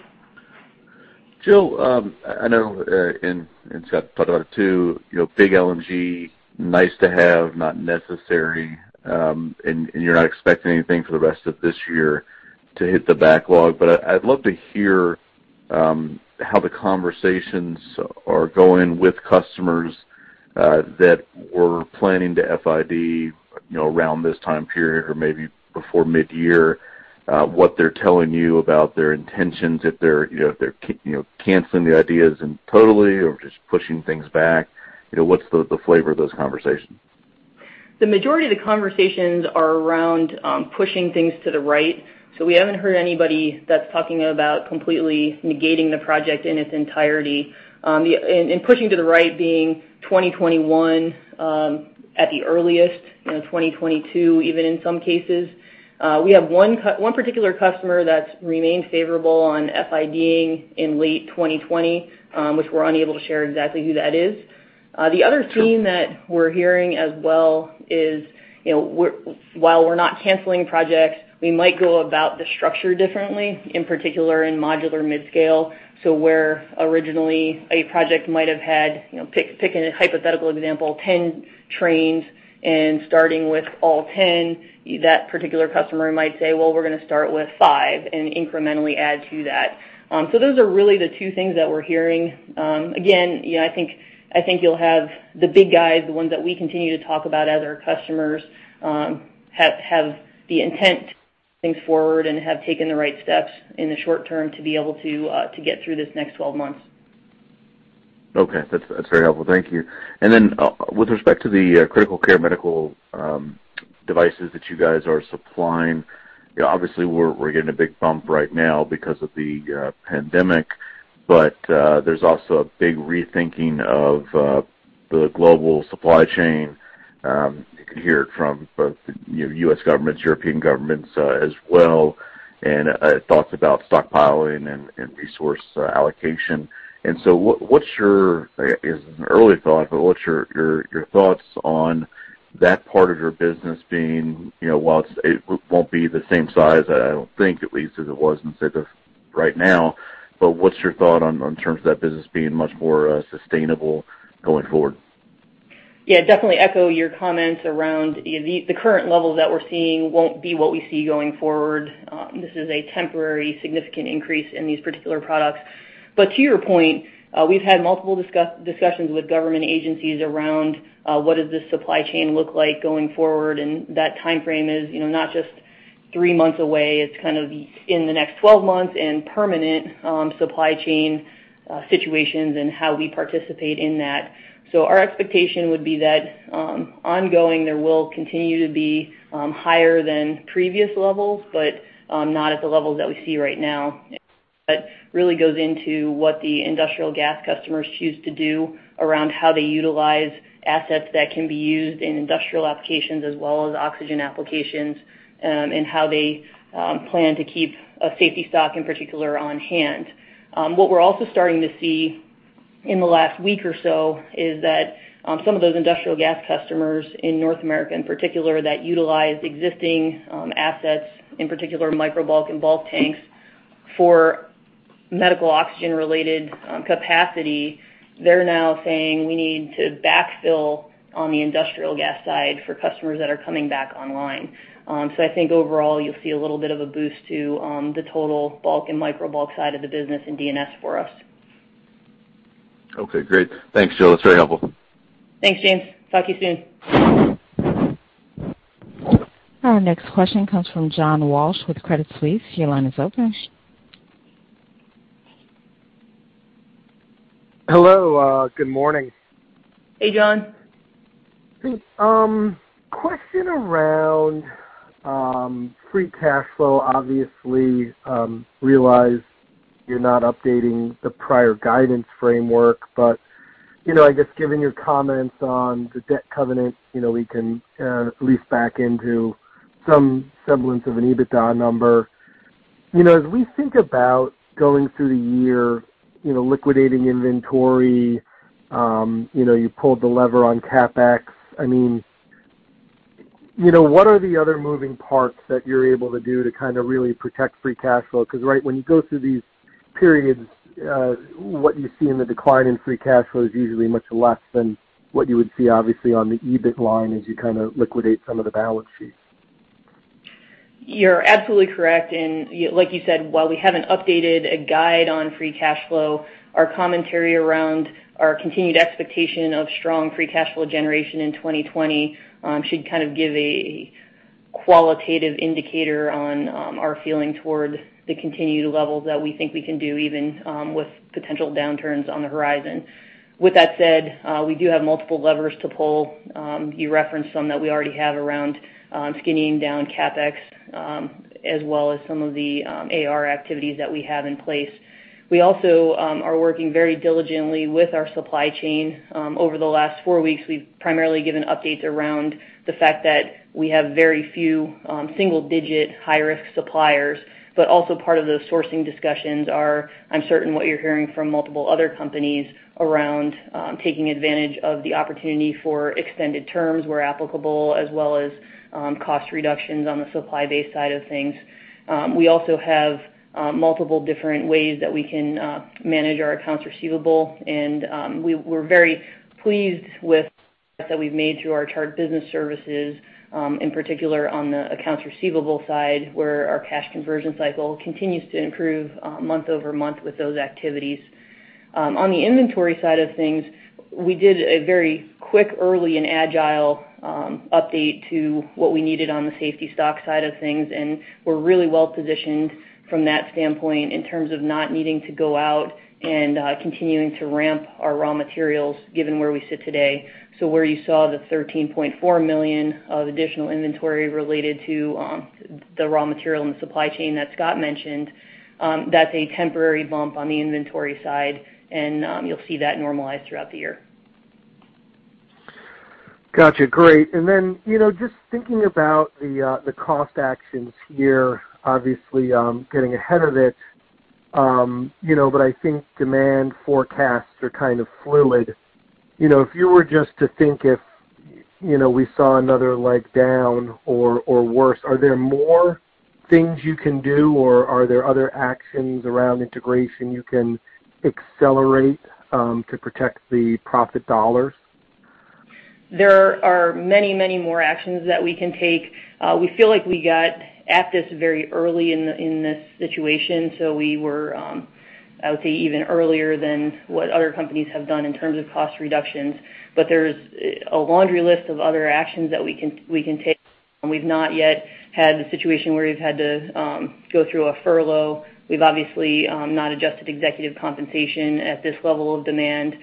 Jill, I know and Scott talked about it too, big LNG, nice to have, not necessary, and you're not expecting anything for the rest of this year to hit the backlog, but I'd love to hear how the conversations are going with customers that were planning to FID around this time period or maybe before mid-year, what they're telling you about their intentions, if they're canceling the ideas totally or just pushing things back. What's the flavor of those conversations? The majority of the conversations are around pushing things to the right, so we haven't heard anybody that's talking about completely negating the project in its entirety, and pushing to the right being 2021 at the earliest, 2022, even in some cases. We have one particular customer that's remained favorable on FIDing in late 2020, which we're unable to share exactly who that is. The other theme that we're hearing as well is, while we're not canceling projects, we might go about the structure differently, in particular in modular mid-scale. So where originally a project might have had, pick a hypothetical example, 10 trains, and starting with all 10, that particular customer might say, "Well, we're going to start with 5 and incrementally add to that." So those are really the two things that we're hearing. Again, I think you'll have the big guys, the ones that we continue to talk about as our customers, have the intent to move things forward and have taken the right steps in the short term to be able to get through this next 12 months. Okay. That's very helpful. Thank you. And then with respect to the critical care medical devices that you guys are supplying, obviously we're getting a big bump right now because of the pandemic, but there's also a big rethinking of the global supply chain. You can hear it from both U.S. governments, European governments as well, and thoughts about stockpiling and resource allocation. And so what's your, it's an early thought, but what's your thoughts on that part of your business being, while it won't be the same size, I don't think, at least as it is intense right now, but what's your thought in terms of that business being much more sustainable going forward? Yeah, definitely echo your comments around the current levels that we're seeing won't be what we see going forward. This is a temporary significant increase in these particular products. But to your point, we've had multiple discussions with government agencies around what this supply chain looks like going forward, and that timeframe is not just three months away. It's kind of in the next 12 months and permanent supply chain situations and how we participate in that. So our expectation would be that ongoing there will continue to be higher than previous levels, but not at the levels that we see right now. But really goes into what the industrial gas customers choose to do around how they utilize assets that can be used in industrial applications as well as oxygen applications and how they plan to keep a safety stock in particular on hand. What we're also starting to see in the last week or so is that some of those industrial gas customers in North America in particular that utilize existing assets, in particular MicroBulk and Bulk tanks for medical oxygen-related capacity, they're now saying we need to backfill on the industrial gas side for customers that are coming back online. So I think overall you'll see a little bit of a boost to the total Bulk and MicroBulk side of the business in D&S for us. Okay. Great. Thanks, Jill. That's very helpful. Thanks, James. Talk to you soon. Our next question comes from John Walsh with Credit Suisse. Your line is open. Hello. Good morning. Hey, John. Question around free cash flow. Obviously realize you're not updating the prior guidance framework, but I guess given your comments on the debt covenant, we can at least back into some semblance of an EBITDA number. As we think about going through the year, liquidating inventory, you pulled the lever on CapEx. I mean, what are the other moving parts that you're able to do to kind of really protect free cash flow? Because right when you go through these periods, what you see in the decline in free cash flow is usually much less than what you would see, obviously, on the EBIT line as you kind of liquidate some of the balance sheet. You're absolutely correct. Like you said, while we haven't updated a guide on free cash flow, our commentary around our continued expectation of strong free cash flow generation in 2020 should kind of give a qualitative indicator on our feeling toward the continued levels that we think we can do even with potential downturns on the horizon. With that said, we do have multiple levers to pull. You referenced some that we already have around skinning down CapEx as well as some of the AR activities that we have in place. We also are working very diligently with our supply chain. Over the last four weeks, we've primarily given updates around the fact that we have very few single-digit high-risk suppliers, but also part of the sourcing discussions are. I'm certain what you're hearing from multiple other companies around taking advantage of the opportunity for extended terms where applicable, as well as cost reductions on the supply-based side of things. We also have multiple different ways that we can manage our accounts receivable, and we're very pleased with that we've made through our Chart Business Services, in particular on the accounts receivable side, where our cash conversion cycle continues to improve month over month with those activities. On the inventory side of things, we did a very quick, early, and agile update to what we needed on the safety stock side of things, and we're really well positioned from that standpoint in terms of not needing to go out and continuing to ramp our raw materials given where we sit today. So where you saw the $13.4 million of additional inventory related to the raw material in the supply chain that Scott mentioned, that's a temporary bump on the inventory side, and you'll see that normalize throughout the year. Gotcha. Great. And then just thinking about the cost actions here, obviously getting ahead of it, but I think demand forecasts are kind of fluid. If you were just to think if we saw another leg down or worse, are there more things you can do, or are there other actions around integration you can accelerate to protect the profit dollars? There are many, many more actions that we can take. We feel like we got at this very early in this situation, so we were, I would say, even earlier than what other companies have done in terms of cost reductions. But there's a laundry list of other actions that we can take. We've not yet had the situation where we've had to go through a furlough. We've obviously not adjusted executive compensation at this level of demand.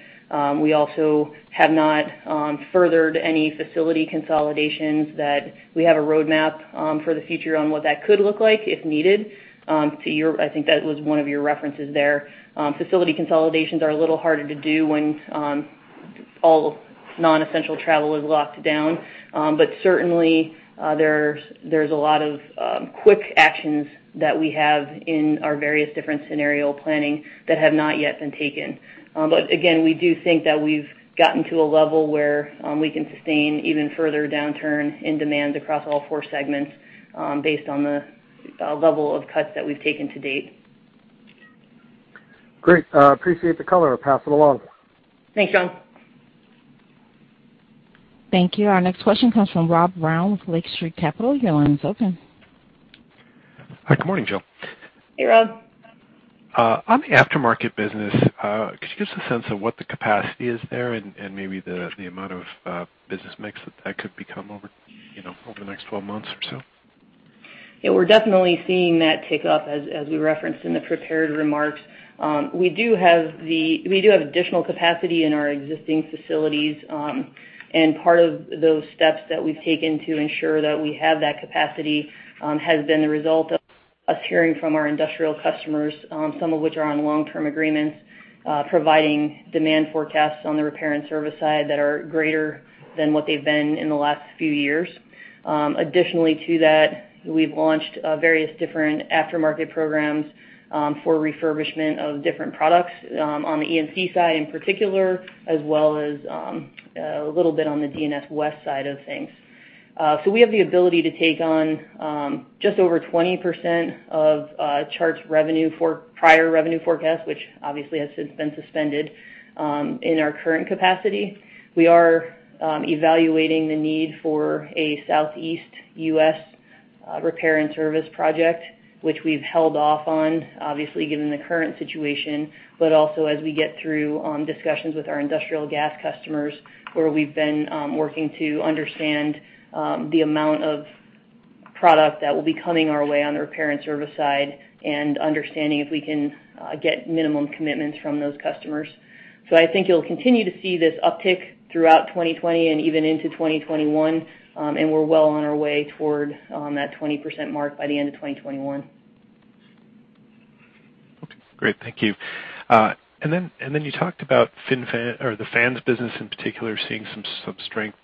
We also have not furthered any facility consolidations that we have a roadmap for the future on what that could look like if needed. I think that was one of your references there. Facility consolidations are a little harder to do when all non-essential travel is locked down, but certainly there's a lot of quick actions that we have in our various different scenario planning that have not yet been taken. But again, we do think that we've gotten to a level where we can sustain even further downturn in demand across all four segments based on the level of cuts that we've taken to date. Great. Appreciate the color. Pass it along. Thanks, John. Thank you. Our next question comes from Rob Brown with Lake Street Capital. Your line is open. Hi. Good morning, Jill. Hey, Rob. On the aftermarket business, could you give us a sense of what the capacity is there and maybe the amount of business mix that that could become over the next 12 months or so? Yeah, we're definitely seeing that tick up as we referenced in the prepared remarks. We do have additional capacity in our existing facilities, and part of those steps that we've taken to ensure that we have that capacity has been the result of us hearing from our industrial customers, some of which are on long-term agreements, providing demand forecasts on the repair and service side that are greater than what they've been in the last few years. Additionally to that, we've launched various different aftermarket programs for refurbishment of different products on the E&C side in particular, as well as a little bit on the D&S West side of things. So we have the ability to take on just over 20% of Chart revenue for prior revenue forecasts, which obviously has since been suspended in our current capacity. We are evaluating the need for a Southeast U.S. Repair and Service project, which we've held off on, obviously given the current situation, but also as we get through discussions with our industrial gas customers where we've been working to understand the amount of product that will be coming our way on the Repair and Service side and understanding if we can get minimum commitments from those customers. So I think you'll continue to see this uptick throughout 2020 and even into 2021, and we're well on our way toward that 20% mark by the end of 2021. Okay. Great. Thank you. And then you talked about the fans business in particular seeing some strength.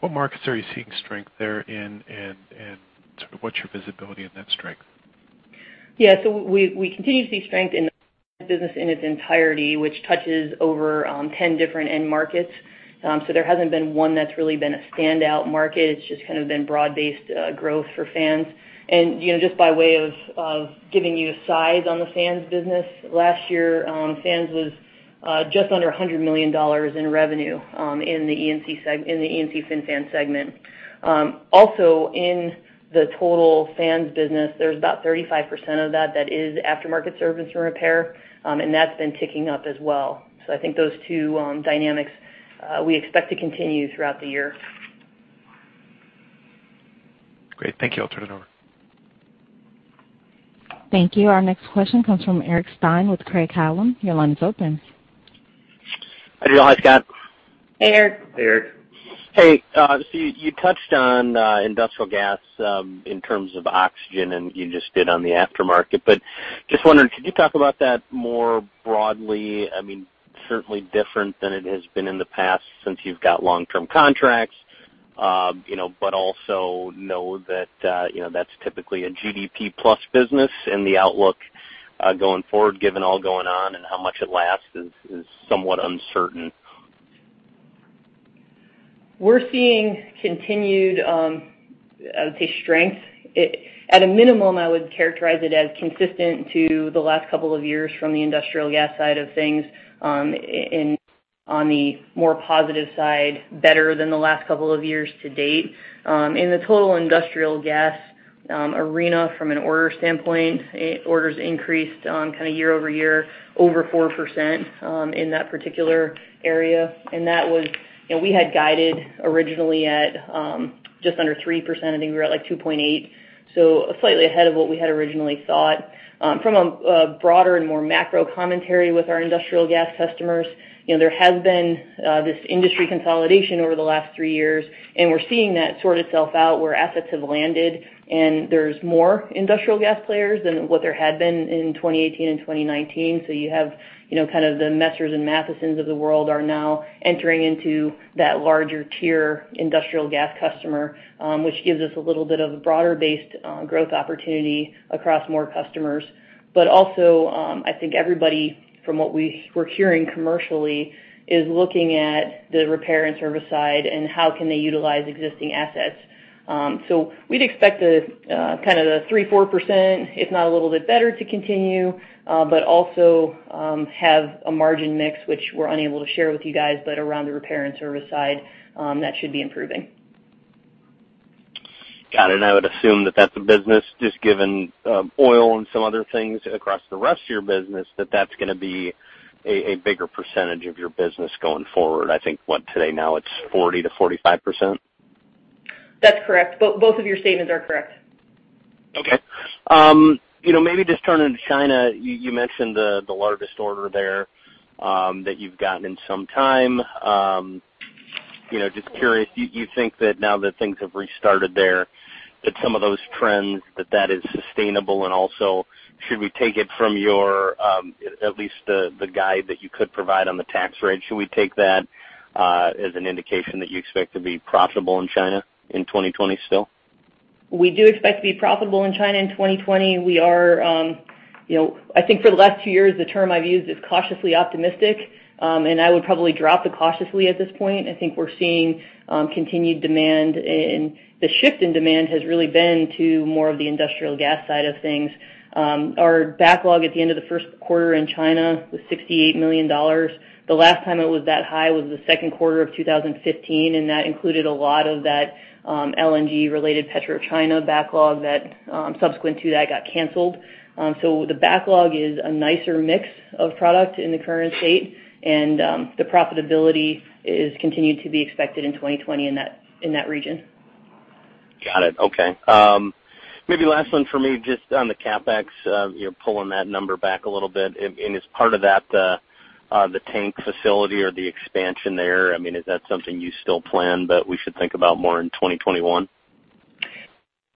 What markets are you seeing strength there in, and sort of what's your visibility in that strength? Yeah. So we continue to see strength in the fans business in its entirety, which touches over 10 different end markets. So there hasn't been one that's really been a standout market. It's just kind of been broad-based growth for fans. And just by way of giving you a size on the fans business, last year, fans was just under $100 million in revenue in the E&C FinFans segment. Also, in the total fans business, there's about 35% of that that is aftermarket service and repair, and that's been ticking up as well. So I think those two dynamics we expect to continue throughout the year. Great. Thank you. I'll turn it over. Thank you. Our next question comes from Eric Stine with Craig-Hallum Capital Group. Your line is open. Hi, Jill. Hi, Scott. Hey, Eric. Hey, Eric. Hey. So you touched on industrial gas in terms of oxygen, and you just did on the aftermarket, but just wondered, could you talk about that more broadly? I mean, certainly different than it has been in the past since you've got long-term contracts, but also know that that's typically a GDP plus business, and the outlook going forward, given all going on and how much it lasts, is somewhat uncertain. We're seeing continued, I would say, strength. At a minimum, I would characterize it as consistent to the last couple of years from the industrial gas side of things on the more positive side, better than the last couple of years to date. In the total industrial gas arena, from an order standpoint, orders increased kind of year-over-year over 4% in that particular area. And that was. We had guided originally at just under 3%. I think we were at like 2.8%, so slightly ahead of what we had originally thought. From a broader and more macro commentary with our industrial gas customers, there has been this industry consolidation over the last three years, and we're seeing that sort itself out where assets have landed, and there's more industrial gas players than what there had been in 2018 and 2019. So you have kind of the Messers and Mathesons of the world are now entering into that larger-tier industrial gas customer, which gives us a little bit of a broader-based growth opportunity across more customers. But also, I think everybody, from what we were hearing commercially, is looking at the repair and service side and how can they utilize existing assets. So we'd expect kind of the 3%-4%, if not a little bit better, to continue, but also have a margin mix, which we're unable to share with you guys, but around the repair and service side, that should be improving. Got it. And I would assume that that's a business, just given oil and some other things across the rest of your business, that that's going to be a bigger percentage of your business going forward. I think today now it's 40%-45%. That's correct. Both of your statements are correct. Okay. Maybe just turning to China, you mentioned the largest order there that you've gotten in some time. Just curious, you think that now that things have restarted there, that some of those trends, that that is sustainable? And also, should we take it from your, at least the guide that you could provide on the tax rate, should we take that as an indication that you expect to be profitable in China in 2020 still? We do expect to be profitable in China in 2020. We are, I think for the last two years, the term I've used is cautiously optimistic, and I would probably drop the cautiously at this point. I think we're seeing continued demand, and the shift in demand has really been to more of the industrial gas side of things. Our backlog at the end of the first quarter in China was $68 million. The last time it was that high was the second quarter of 2015, and that included a lot of that LNG-related PetroChina backlog that subsequent to that got canceled. So the backlog is a nicer mix of product in the current state, and the profitability has continued to be expected in 2020 in that region. Got it. Okay. Maybe last one for me, just on the CapEx, pulling that number back a little bit. And is part of that the tank facility or the expansion there? I mean, is that something you still plan, but we should think about more in 2021?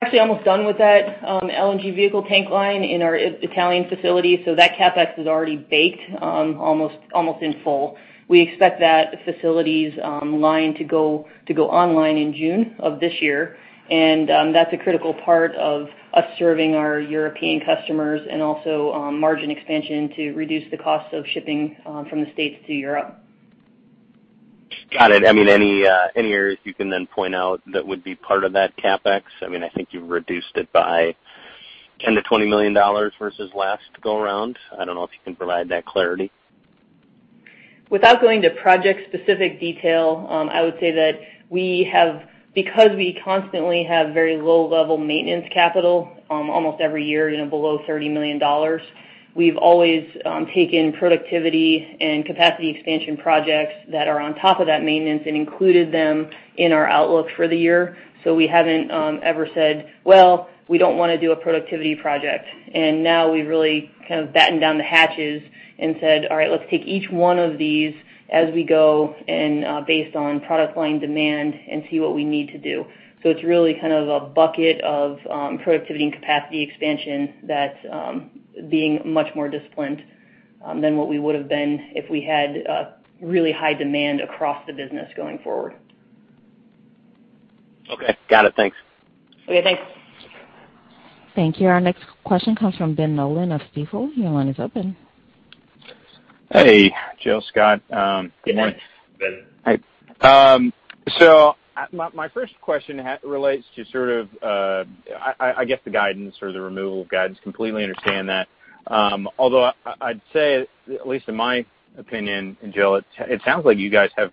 Actually, almost done with that LNG vehicle tank line in our Italian facility. So that CapEx is already baked almost in full. We expect that facility's line to go online in June of this year, and that's a critical part of us serving our European customers and also margin expansion to reduce the cost of shipping from the States to Europe. Got it. I mean, any areas you can then point out that would be part of that CapEx? I mean, I think you've reduced it by $10 million-$20 million versus last go-around. I don't know if you can provide that clarity. Without going to project-specific detail, I would say that we have, because we constantly have very low-level maintenance capital almost every year, below $30 million, we've always taken productivity and capacity expansion projects that are on top of that maintenance and included them in our outlook for the year. So we haven't ever said, "Well, we don't want to do a productivity project." And now we've really kind of battened down the hatches and said, "All right, let's take each one of these as we go and based on product line demand and see what we need to do." So it's really kind of a bucket of productivity and capacity expansion that's being much more disciplined than what we would have been if we had really high demand across the business going forward. Okay. Got it. Thanks. Okay. Thanks. Thank you. Our next question comes from Ben Nolan of Stifel. Your line is open. Hey, Jill, Scott. Good morning. Hey, Ben. Hey. So my first question relates to sort of, I guess, the guidance or the removal of guidance. Completely understand that. Although I'd say, at least in my opinion, and Jill, it sounds like you guys have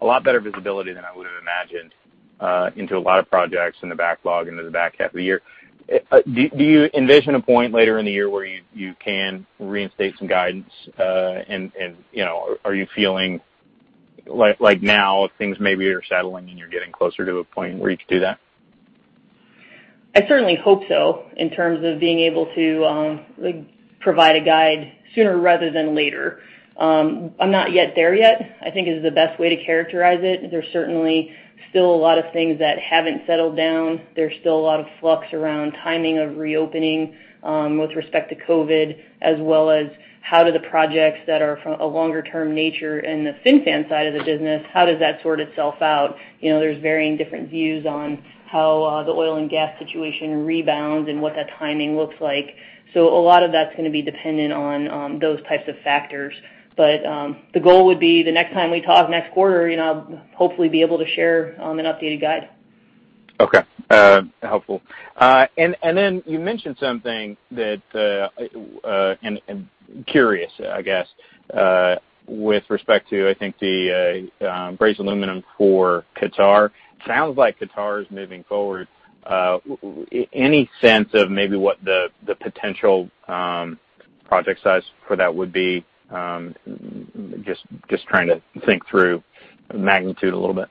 a lot better visibility than I would have imagined into a lot of projects and the backlog into the back half of the year. Do you envision a point later in the year where you can reinstate some guidance? And are you feeling like now things maybe are settling and you're getting closer to a point where you could do that? I certainly hope so in terms of being able to provide a guide sooner rather than later. I'm not yet there yet. I think is the best way to characterize it. There's certainly still a lot of things that haven't settled down. There's still a lot of flux around timing of reopening with respect to COVID, as well as how do the projects that are from a longer-term nature in the FinFan side of the business, how does that sort itself out? There's varying different views on how the oil and gas situation rebounds and what that timing looks like. So a lot of that's going to be dependent on those types of factors. But the goal would be the next time we talk next quarter, I'll hopefully be able to share an updated guide. Okay. Helpful. And then you mentioned something that I'm curious, I guess, with respect to, I think, the brazed aluminum for Qatar. It sounds like Qatar is moving forward. Any sense of maybe what the potential project size for that would be? Just trying to think through magnitude a little bit.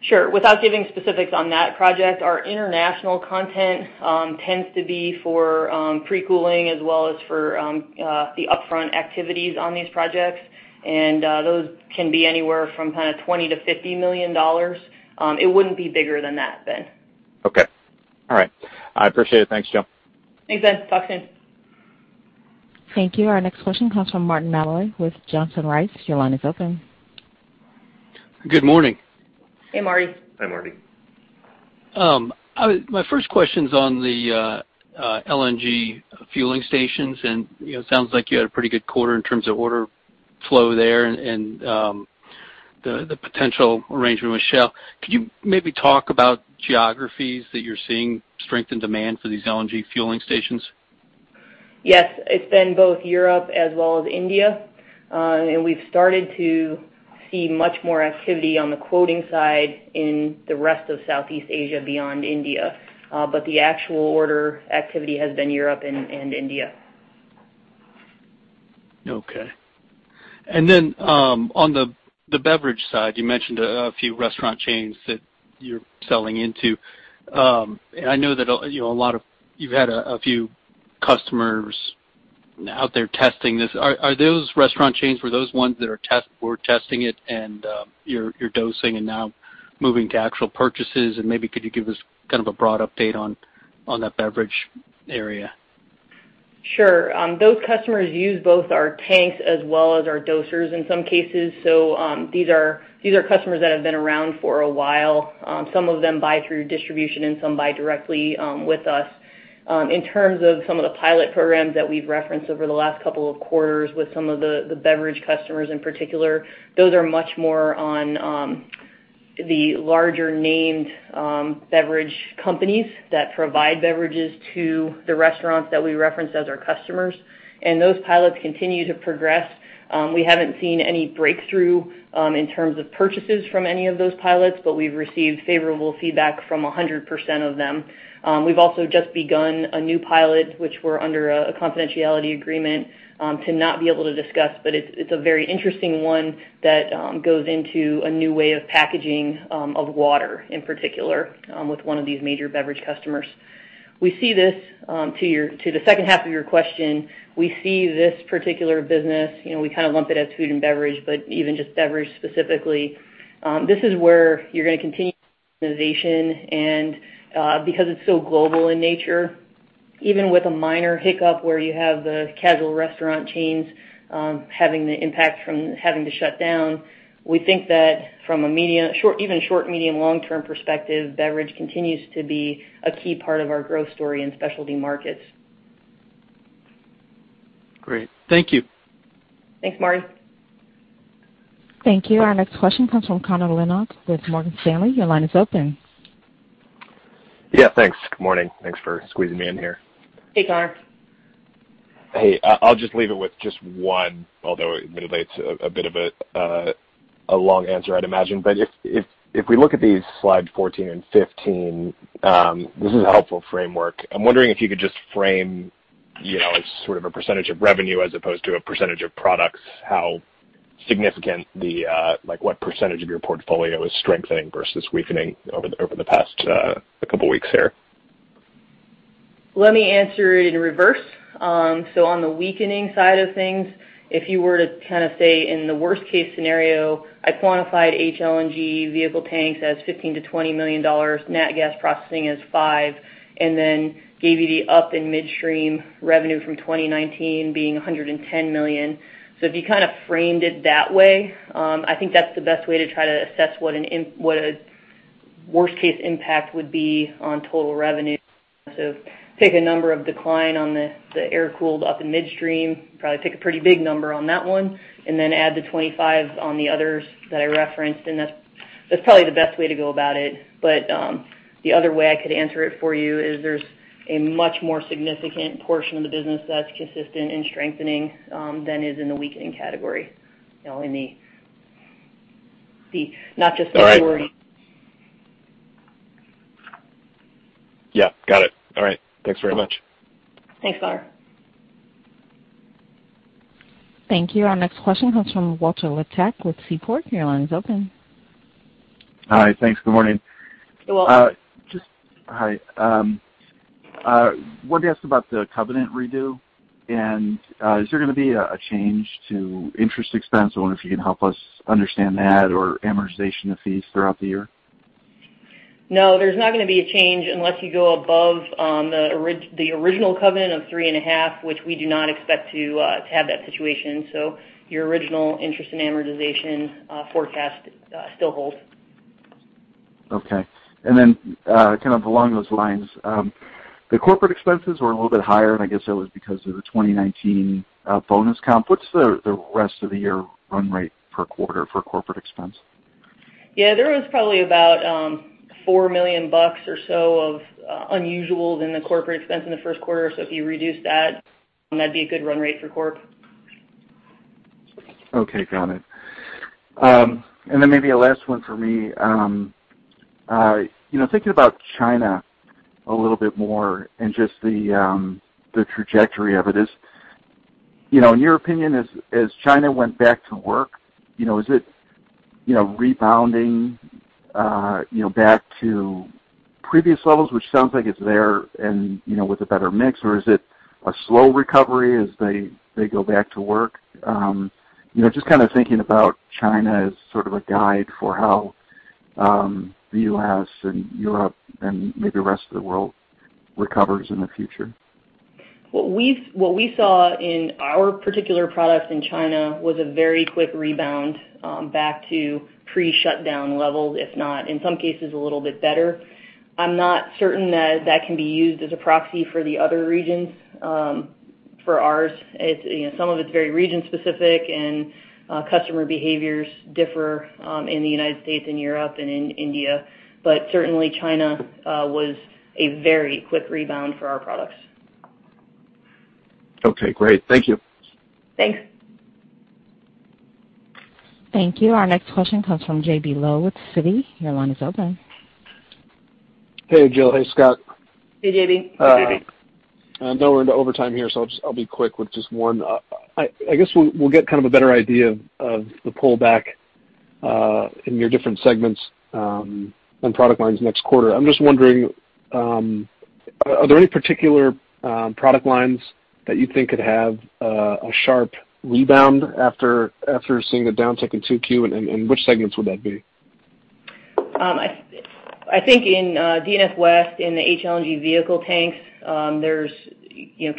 Sure. Without giving specifics on that project, our international content tends to be for pre-cooling as well as for the upfront activities on these projects, and those can be anywhere from kind of $20 million-$50 million. It wouldn't be bigger than that, Ben. Okay. All right. I appreciate it. Thanks, Jill. Thanks, Ben. Talk soon. Thank you. Our next question comes from Martin Malloy with Johnson Rice. Your line is open. Good morning. Hey, Marty. Hi, Marty. My first question's on the LNG fueling stations, and it sounds like you had a pretty good quarter in terms of order flow there and the potential arrangement with Shell. Could you maybe talk about geographies that you're seeing strength in demand for these LNG fueling stations? Yes. It's been both Europe as well as India. And we've started to see much more activity on the quoting side in the rest of Southeast Asia beyond India. But the actual order activity has been Europe and India. Okay. And then on the beverage side, you mentioned a few restaurant chains that you're selling into. And I know that a lot of you've had a few customers out there testing this. Are those restaurant chains? Were those ones that were testing it and you're dosing and now moving to actual purchases? And maybe could you give us kind of a broad update on that beverage area? Sure. Those customers use both our tanks as well as our dosers in some cases. So these are customers that have been around for a while. Some of them buy through distribution, and some buy directly with us. In terms of some of the pilot programs that we've referenced over the last couple of quarters with some of the beverage customers in particular, those are much more on the larger named beverage companies that provide beverages to the restaurants that we reference as our customers, and those pilots continue to progress. We haven't seen any breakthrough in terms of purchases from any of those pilots, but we've received favorable feedback from 100% of them. We've also just begun a new pilot, which we're under a confidentiality agreement to not be able to discuss, but it's a very interesting one that goes into a new way of packaging of water in particular with one of these major beverage customers. We see this to the second half of your question. We see this particular business. We kind of lump it as food and beverage, but even just beverage specifically. This is where you're going to continue innovation. And because it's so global in nature, even with a minor hiccup where you have the casual restaurant chains having the impact from having to shut down, we think that from a medium even short, medium, long-term perspective, beverage continues to be a key part of our growth story in specialty markets. Great. Thank you. Thanks, Marty. Thank you. Our next question comes from Connor Lynagh with Morgan Stanley. Your line is open. Yeah. Thanks. Good morning. Thanks for squeezing me in here. Hey, Connor. Hey. I'll just leave it with just one, although admittedly it's a bit of a long answer, I'd imagine. But if we look at these slide 14 and 15, this is a helpful framework. I'm wondering if you could just frame sort of a percentage of revenue as opposed to a percentage of products, how significant the like what percentage of your portfolio is strengthening versus weakening over the past couple of weeks here. Let me answer it in reverse. So on the weakening side of things, if you were to kind of say, in the worst-case scenario, I quantified HLNG vehicle tanks as $15 million-$20 million, nat gas processing as $5 million, and then gave you the up and midstream revenue from 2019 being $110 million. So if you kind of framed it that way, I think that's the best way to try to assess what a worst-case impact would be on total revenue. So take a number of decline on the air-cooled up and midstream, probably pick a pretty big number on that one, and then add the $25 million on the others that I referenced. And that's probably the best way to go about it. But the other way I could answer it for you is there's a much more significant portion of the business that's consistent in strengthening than is in the weakening category, in the not just the majority. All right. Yeah. Got it. All right. Thanks very much. Thanks, Connor. Thank you. Our next question comes from Walter Liptak with Seaport. Your line is open. Hi. Thanks. Good morning. Hi. I wanted to ask about the covenant redo. And is there going to be a change to interest expense? I wonder if you can help us understand that or amortization of fees throughout the year? No, there's not going to be a change unless you go above the original covenant of $3.5, which we do not expect to have that situation. So your original interest and amortization forecast still holds. Okay. And then kind of along those lines, the corporate expenses were a little bit higher, and I guess that was because of the 2019 bonus comp. What's the rest of the year run rate per quarter for corporate expense? Yeah. There was probably about $4 million or so of unusual in the corporate expense in the first quarter. So if you reduce that, that'd be a good run rate for Corp. Okay. Got it. And then maybe a last one for me. Thinking about China a little bit more and just the trajectory of it, in your opinion, as China went back to work, is it rebounding back to previous levels, which sounds like it's there and with a better mix, or is it a slow recovery as they go back to work? Just kind of thinking about China as sort of a guide for how the U.S. and Europe and maybe the rest of the world recovers in the future. What we saw in our particular product in China was a very quick rebound back to pre-shutdown levels, if not, in some cases, a little bit better. I'm not certain that that can be used as a proxy for the other regions. For ours, some of it's very region-specific, and customer behaviors differ in the United States and Europe and in India. But certainly, China was a very quick rebound for our products. Okay. Great. Thank you. Thanks. Thank you. Our next question comes from J.B. Lowe with Citi. Your line is open. Hey, Jill. Hey, Scott. Hey, J.B. Hey, J.B. I know we're into overtime here, so I'll be quick with just one. I guess we'll get kind of a better idea of the pullback in your different segments and product lines next quarter. I'm just wondering, are there any particular product lines that you think could have a sharp rebound after seeing the downtick in 2Q, and which segments would that be? I think in D&S West, in the HLNG vehicle tanks, there's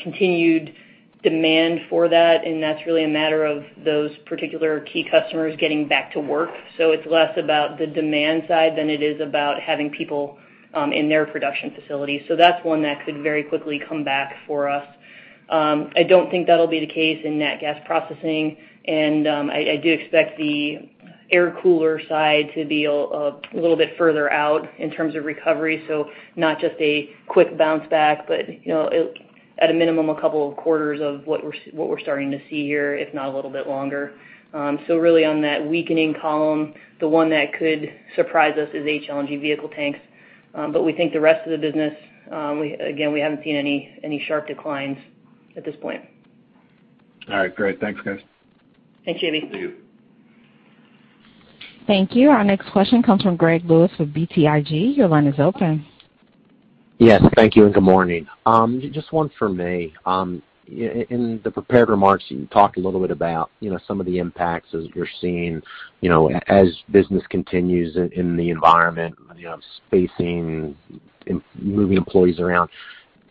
continued demand for that. And that's really a matter of those particular key customers getting back to work. So it's less about the demand side than it is about having people in their production facility. So that's one that could very quickly come back for us. I don't think that'll be the case in nat gas processing. And I do expect the air-cooler side to be a little bit further out in terms of recovery. So not just a quick bounce back, but at a minimum, a couple of quarters of what we're starting to see here, if not a little bit longer. So really on that weakening column, the one that could surprise us is HLNG vehicle tanks. But we think the rest of the business, again, we haven't seen any sharp declines at this point. All right. Great. Thanks, guys. Thanks, J.B. Thank you. Thank you. Our next question comes from Greg Lewis with BTIG. Your line is open. Yes. Thank you and good morning. Just one for me. In the prepared remarks, you talked a little bit about some of the impacts that you're seeing as business continues in the environment, spacing, moving employees around.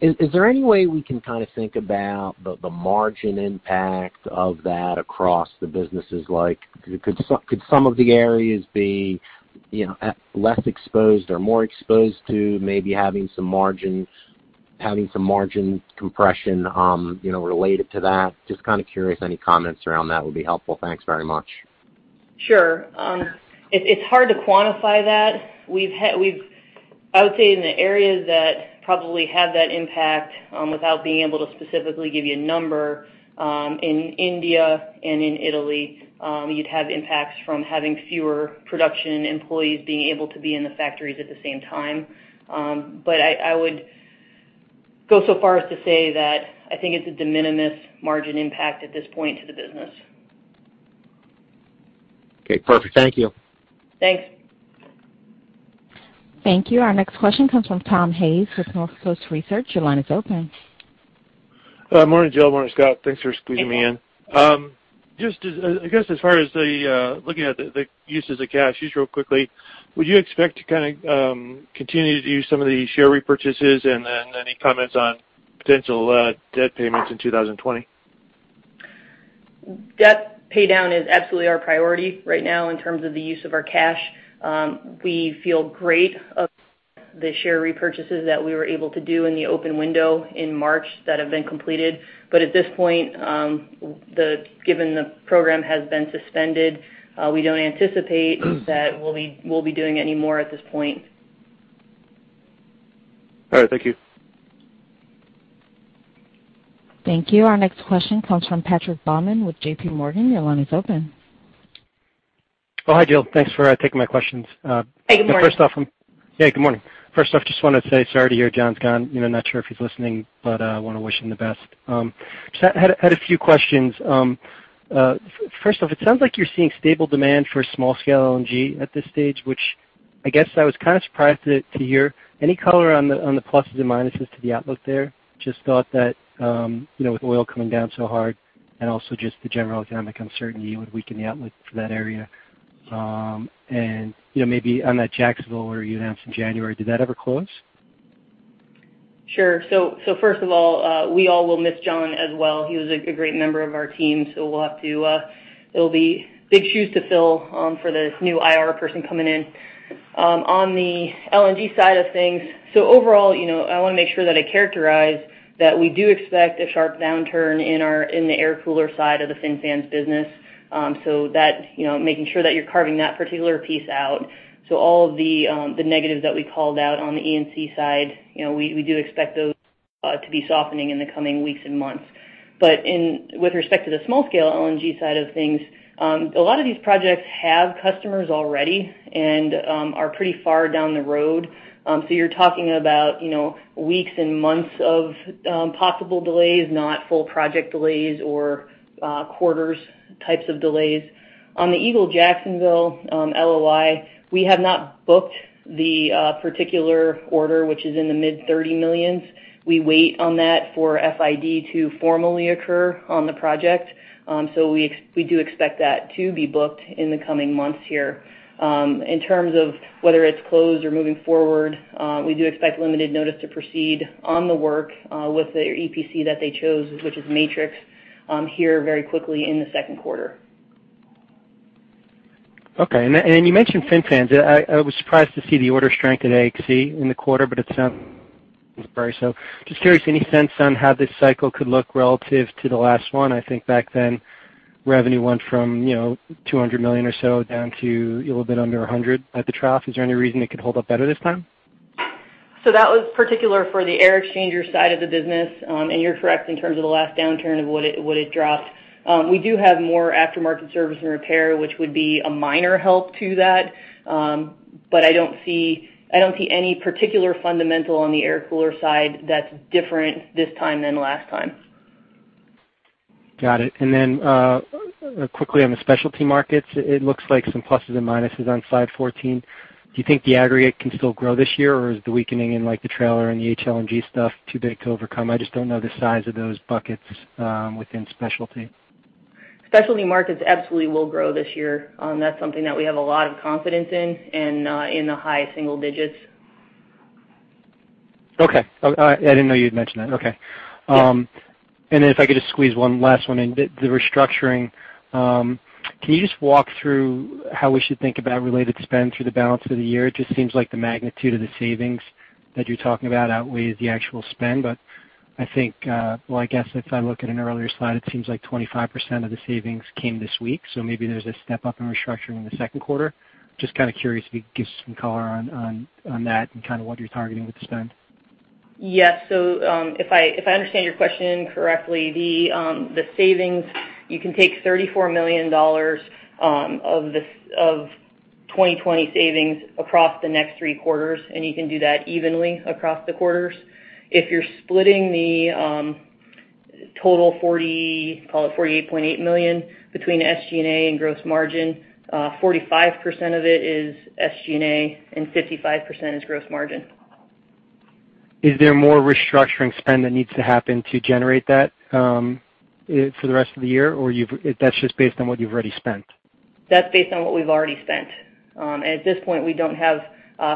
Is there any way we can kind of think about the margin impact of that across the businesses? Could some of the areas be less exposed or more exposed to maybe having some margin compression related to that? Just kind of curious any comments around that would be helpful. Thanks very much. Sure. It's hard to quantify that. I would say in the areas that probably have that impact, without being able to specifically give you a number, in India and in Italy, you'd have impacts from having fewer production employees being able to be in the factories at the same time. But I would go so far as to say that I think it's a de minimis margin impact at this point to the business. Okay. Perfect. Thank you. Thanks. Thank you. Our next question comes from Tom Hayes with North Coast Research. Your line is open. Good morning, Jill. Good morning, Scott. Thanks for squeezing me in. Just as far as looking at the uses of cash, just real quickly, would you expect to kind of continue to do some of the share repurchases and any comments on potential debt payments in 2020? Debt paydown is absolutely our priority right now in terms of the use of our cash. We feel great of the share repurchases that we were able to do in the open window in March that have been completed. But at this point, given the program has been suspended, we don't anticipate that we'll be doing any more at this point. All right. Thank you. Thank you. Our next question comes from Patrick Baumann with JPMorgan. Your line is open. Oh, hi, Jill. Thanks for taking my questions. Hey, good morning. First off, yeah, good morning. First off, just wanted to say sorry to hear John's gone. Not sure if he's listening, but want to wish him the best. Just had a few questions. First off, it sounds like you're seeing stable demand for small-scale LNG at this stage, which I guess I was kind of surprised to hear. Any color on the pluses and minuses to the outlook there? Just thought that with oil coming down so hard and also just the general economic uncertainty, it would weaken the outlook for that area. And maybe on that Jacksonville where you announced in January, did that ever close? Sure. So first of all, we all will miss John as well. He was a great member of our team. So we'll have to it'll be big shoes to fill for the new IR person coming in. On the LNG side of things, so overall, I want to make sure that I characterize that we do expect a sharp downturn in the air-cooler side of the FinFans business. So making sure that you're carving that particular piece out. So all of the negatives that we called out on the E&C side, we do expect those to be softening in the coming weeks and months. But with respect to the small-scale LNG side of things, a lot of these projects have customers already and are pretty far down the road. So you're talking about weeks and months of possible delays, not full project delays or quarters types of delays. On the Eagle LNG Jacksonville LOI, we have not booked the particular order, which is in the mid-$30 millions. We wait on that for FID to formally occur on the project. So we do expect that to be booked in the coming months here. In terms of whether it's closed or moving forward, we do expect limited notice to proceed on the work with the EPC that they chose, which is Matrix, here very quickly in the second quarter. Okay. And you mentioned FinFans. I was surprised to see the order strength at E&C in the quarter, but it sounds very so. Just curious, any sense on how this cycle could look relative to the last one? I think back then revenue went from $200 million or so down to a little bit under $100 million at the trough. Is there any reason it could hold up better this time? So that was particular for the air exchanger side of the business. And you're correct in terms of the last downturn of what it dropped. We do have more aftermarket service and repair, which would be a minor help to that. But I don't see any particular fundamental on the air-cooler side that's different this time than last time. Got it. And then quickly on the specialty markets, it looks like some pluses and minuses on slide 14. Do you think the aggregate can still grow this year, or is the weakening in the trailer and the HLNG stuff too big to overcome? I just don't know the size of those buckets within specialty. Specialty markets absolutely will grow this year. That's something that we have a lot of confidence in and in the high single digits. Okay. I didn't know you'd mentioned that. Okay. And then if I could just squeeze one last one in, the restructuring. Can you just walk through how we should think about related spend through the balance of the year? It just seems like the magnitude of the savings that you're talking about outweighs the actual spend. But I think, well, I guess if I look at an earlier slide, it seems like 25% of the savings came this week. So maybe there's a step up in restructuring in the second quarter. Just kind of curious if you could give some color on that and kind of what you're targeting with the spend. Yes. So if I understand your question correctly, the savings, you can take $34 million of 2020 savings across the next three quarters, and you can do that evenly across the quarters. If you're splitting the total $48.8 million between SG&A and gross margin, 45% of it is SG&A and 55% is gross margin. Is there more restructuring spend that needs to happen to generate that for the rest of the year, or that's just based on what you've already spent? That's based on what we've already spent. At this point, we don't have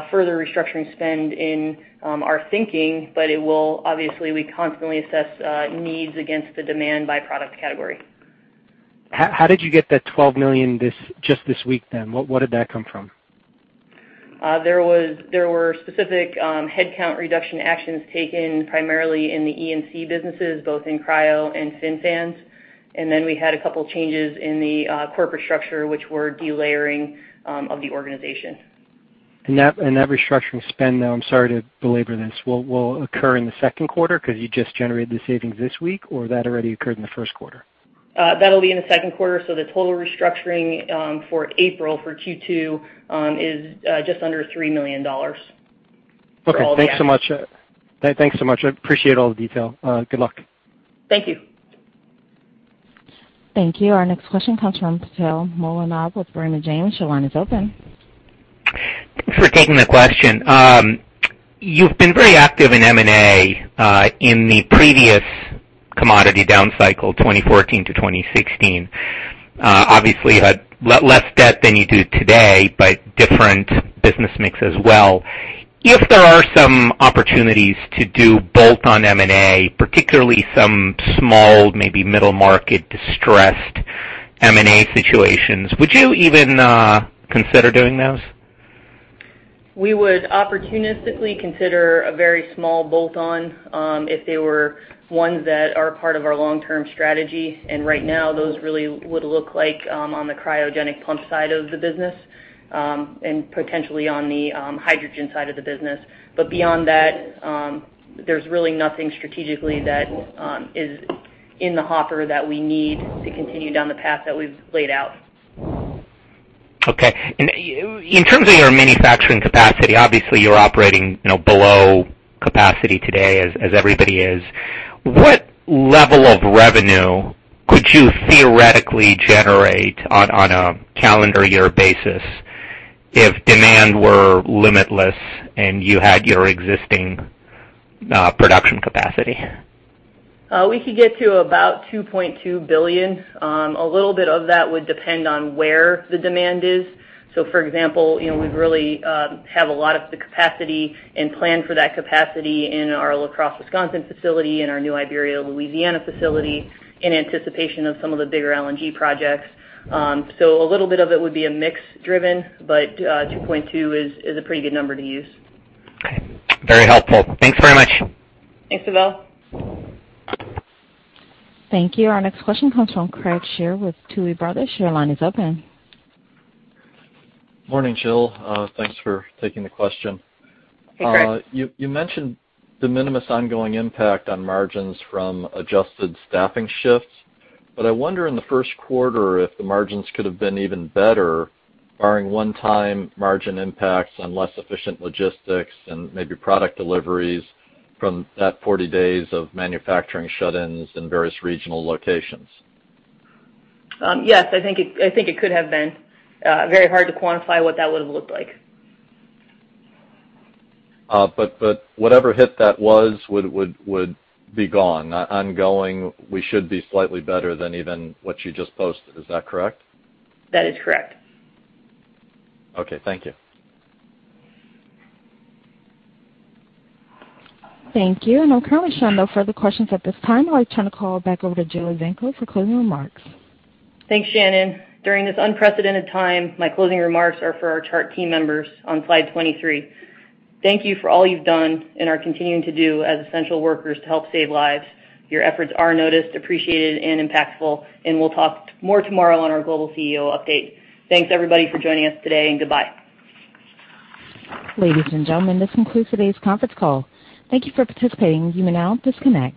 further restructuring spend in our thinking, but it will obviously we constantly assess needs against the demand by product category. How did you get that 12 million just this week then? What did that come from? There were specific headcount reduction actions taken primarily in the E&C businesses, both in Cryo and FinFans. And then we had a couple of changes in the corporate structure, which were delayering of the organization. And that restructuring spend now, I'm sorry to belabor this, will occur in the second quarter because you just generated the savings this week, or that already occurred in the first quarter? That'll be in the second quarter. So the total restructuring for April for Q2 is just under $3 million. Okay. Thanks so much. Thanks so much. I appreciate all the detail. Good luck. Thank you. Thank you. Our next question comes from Pavel Molchanov with Raymond James. Your line is open. Thanks for taking the question. You've been very active in M&A in the previous commodity down cycle, 2014 to 2016. Obviously, you had less debt than you do today, but different business mix as well. If there are some opportunities to do both on M&A, particularly some small, maybe middle-market distressed M&A situations, would you even consider doing those? We would opportunistically consider a very small bolt-on if they were ones that are part of our long-term strategy. And right now, those really would look like on the cryogenic pump side of the business and potentially on the hydrogen side of the business. But beyond that, there's really nothing strategically that is in the hopper that we need to continue down the path that we've laid out. Okay. And in terms of your manufacturing capacity, obviously, you're operating below capacity today as everybody is. What level of revenue could you theoretically generate on a calendar year basis if demand were limitless and you had your existing production capacity? We could get to about $2.2 billion. A little bit of that would depend on where the demand is. So for example, we'd really have a lot of the capacity and plan for that capacity in our La Crosse, Wisconsin facility and our New Iberia, Louisiana facility in anticipation of some of the bigger LNG projects. So a little bit of it would be a mix driven, but 2.2 is a pretty good number to use. Okay. Very helpful. Thanks very much. Thanks, Pavel. Thank you. Our next question comes from Craig Shere with Tuohy Brothers. Your line is open. Morning, Jill. Thanks for taking the question. Hey, Craig. You mentioned de minimis ongoing impact on margins from adjusted staffing shifts. But I wonder in the first quarter if the margins could have been even better barring one-time margin impacts on less efficient logistics and maybe product deliveries from that 40 days of manufacturing shut-ins in various regional locations. Yes. I think it could have been. Very hard to quantify what that would have looked like. But whatever hit that was would be gone. Ongoing, we should be slightly better than even what you just posted. Is that correct? That is correct. Okay. Thank you. Thank you. And I'll now shut down further questions at this time. I'd like to turn the call back over to Jill Evanko for closing remarks. Thanks, Shannon. During this unprecedented time, my closing remarks are for our Chart team members on slide 23. Thank you for all you've done and are continuing to do as essential workers to help save lives. Your efforts are noticed, appreciated, and impactful. And we'll talk more tomorrow on our global CEO update. Thanks, everybody, for joining us today and goodbye. Ladies and gentlemen, this concludes today's conference call. Thank you for participating. You may now disconnect.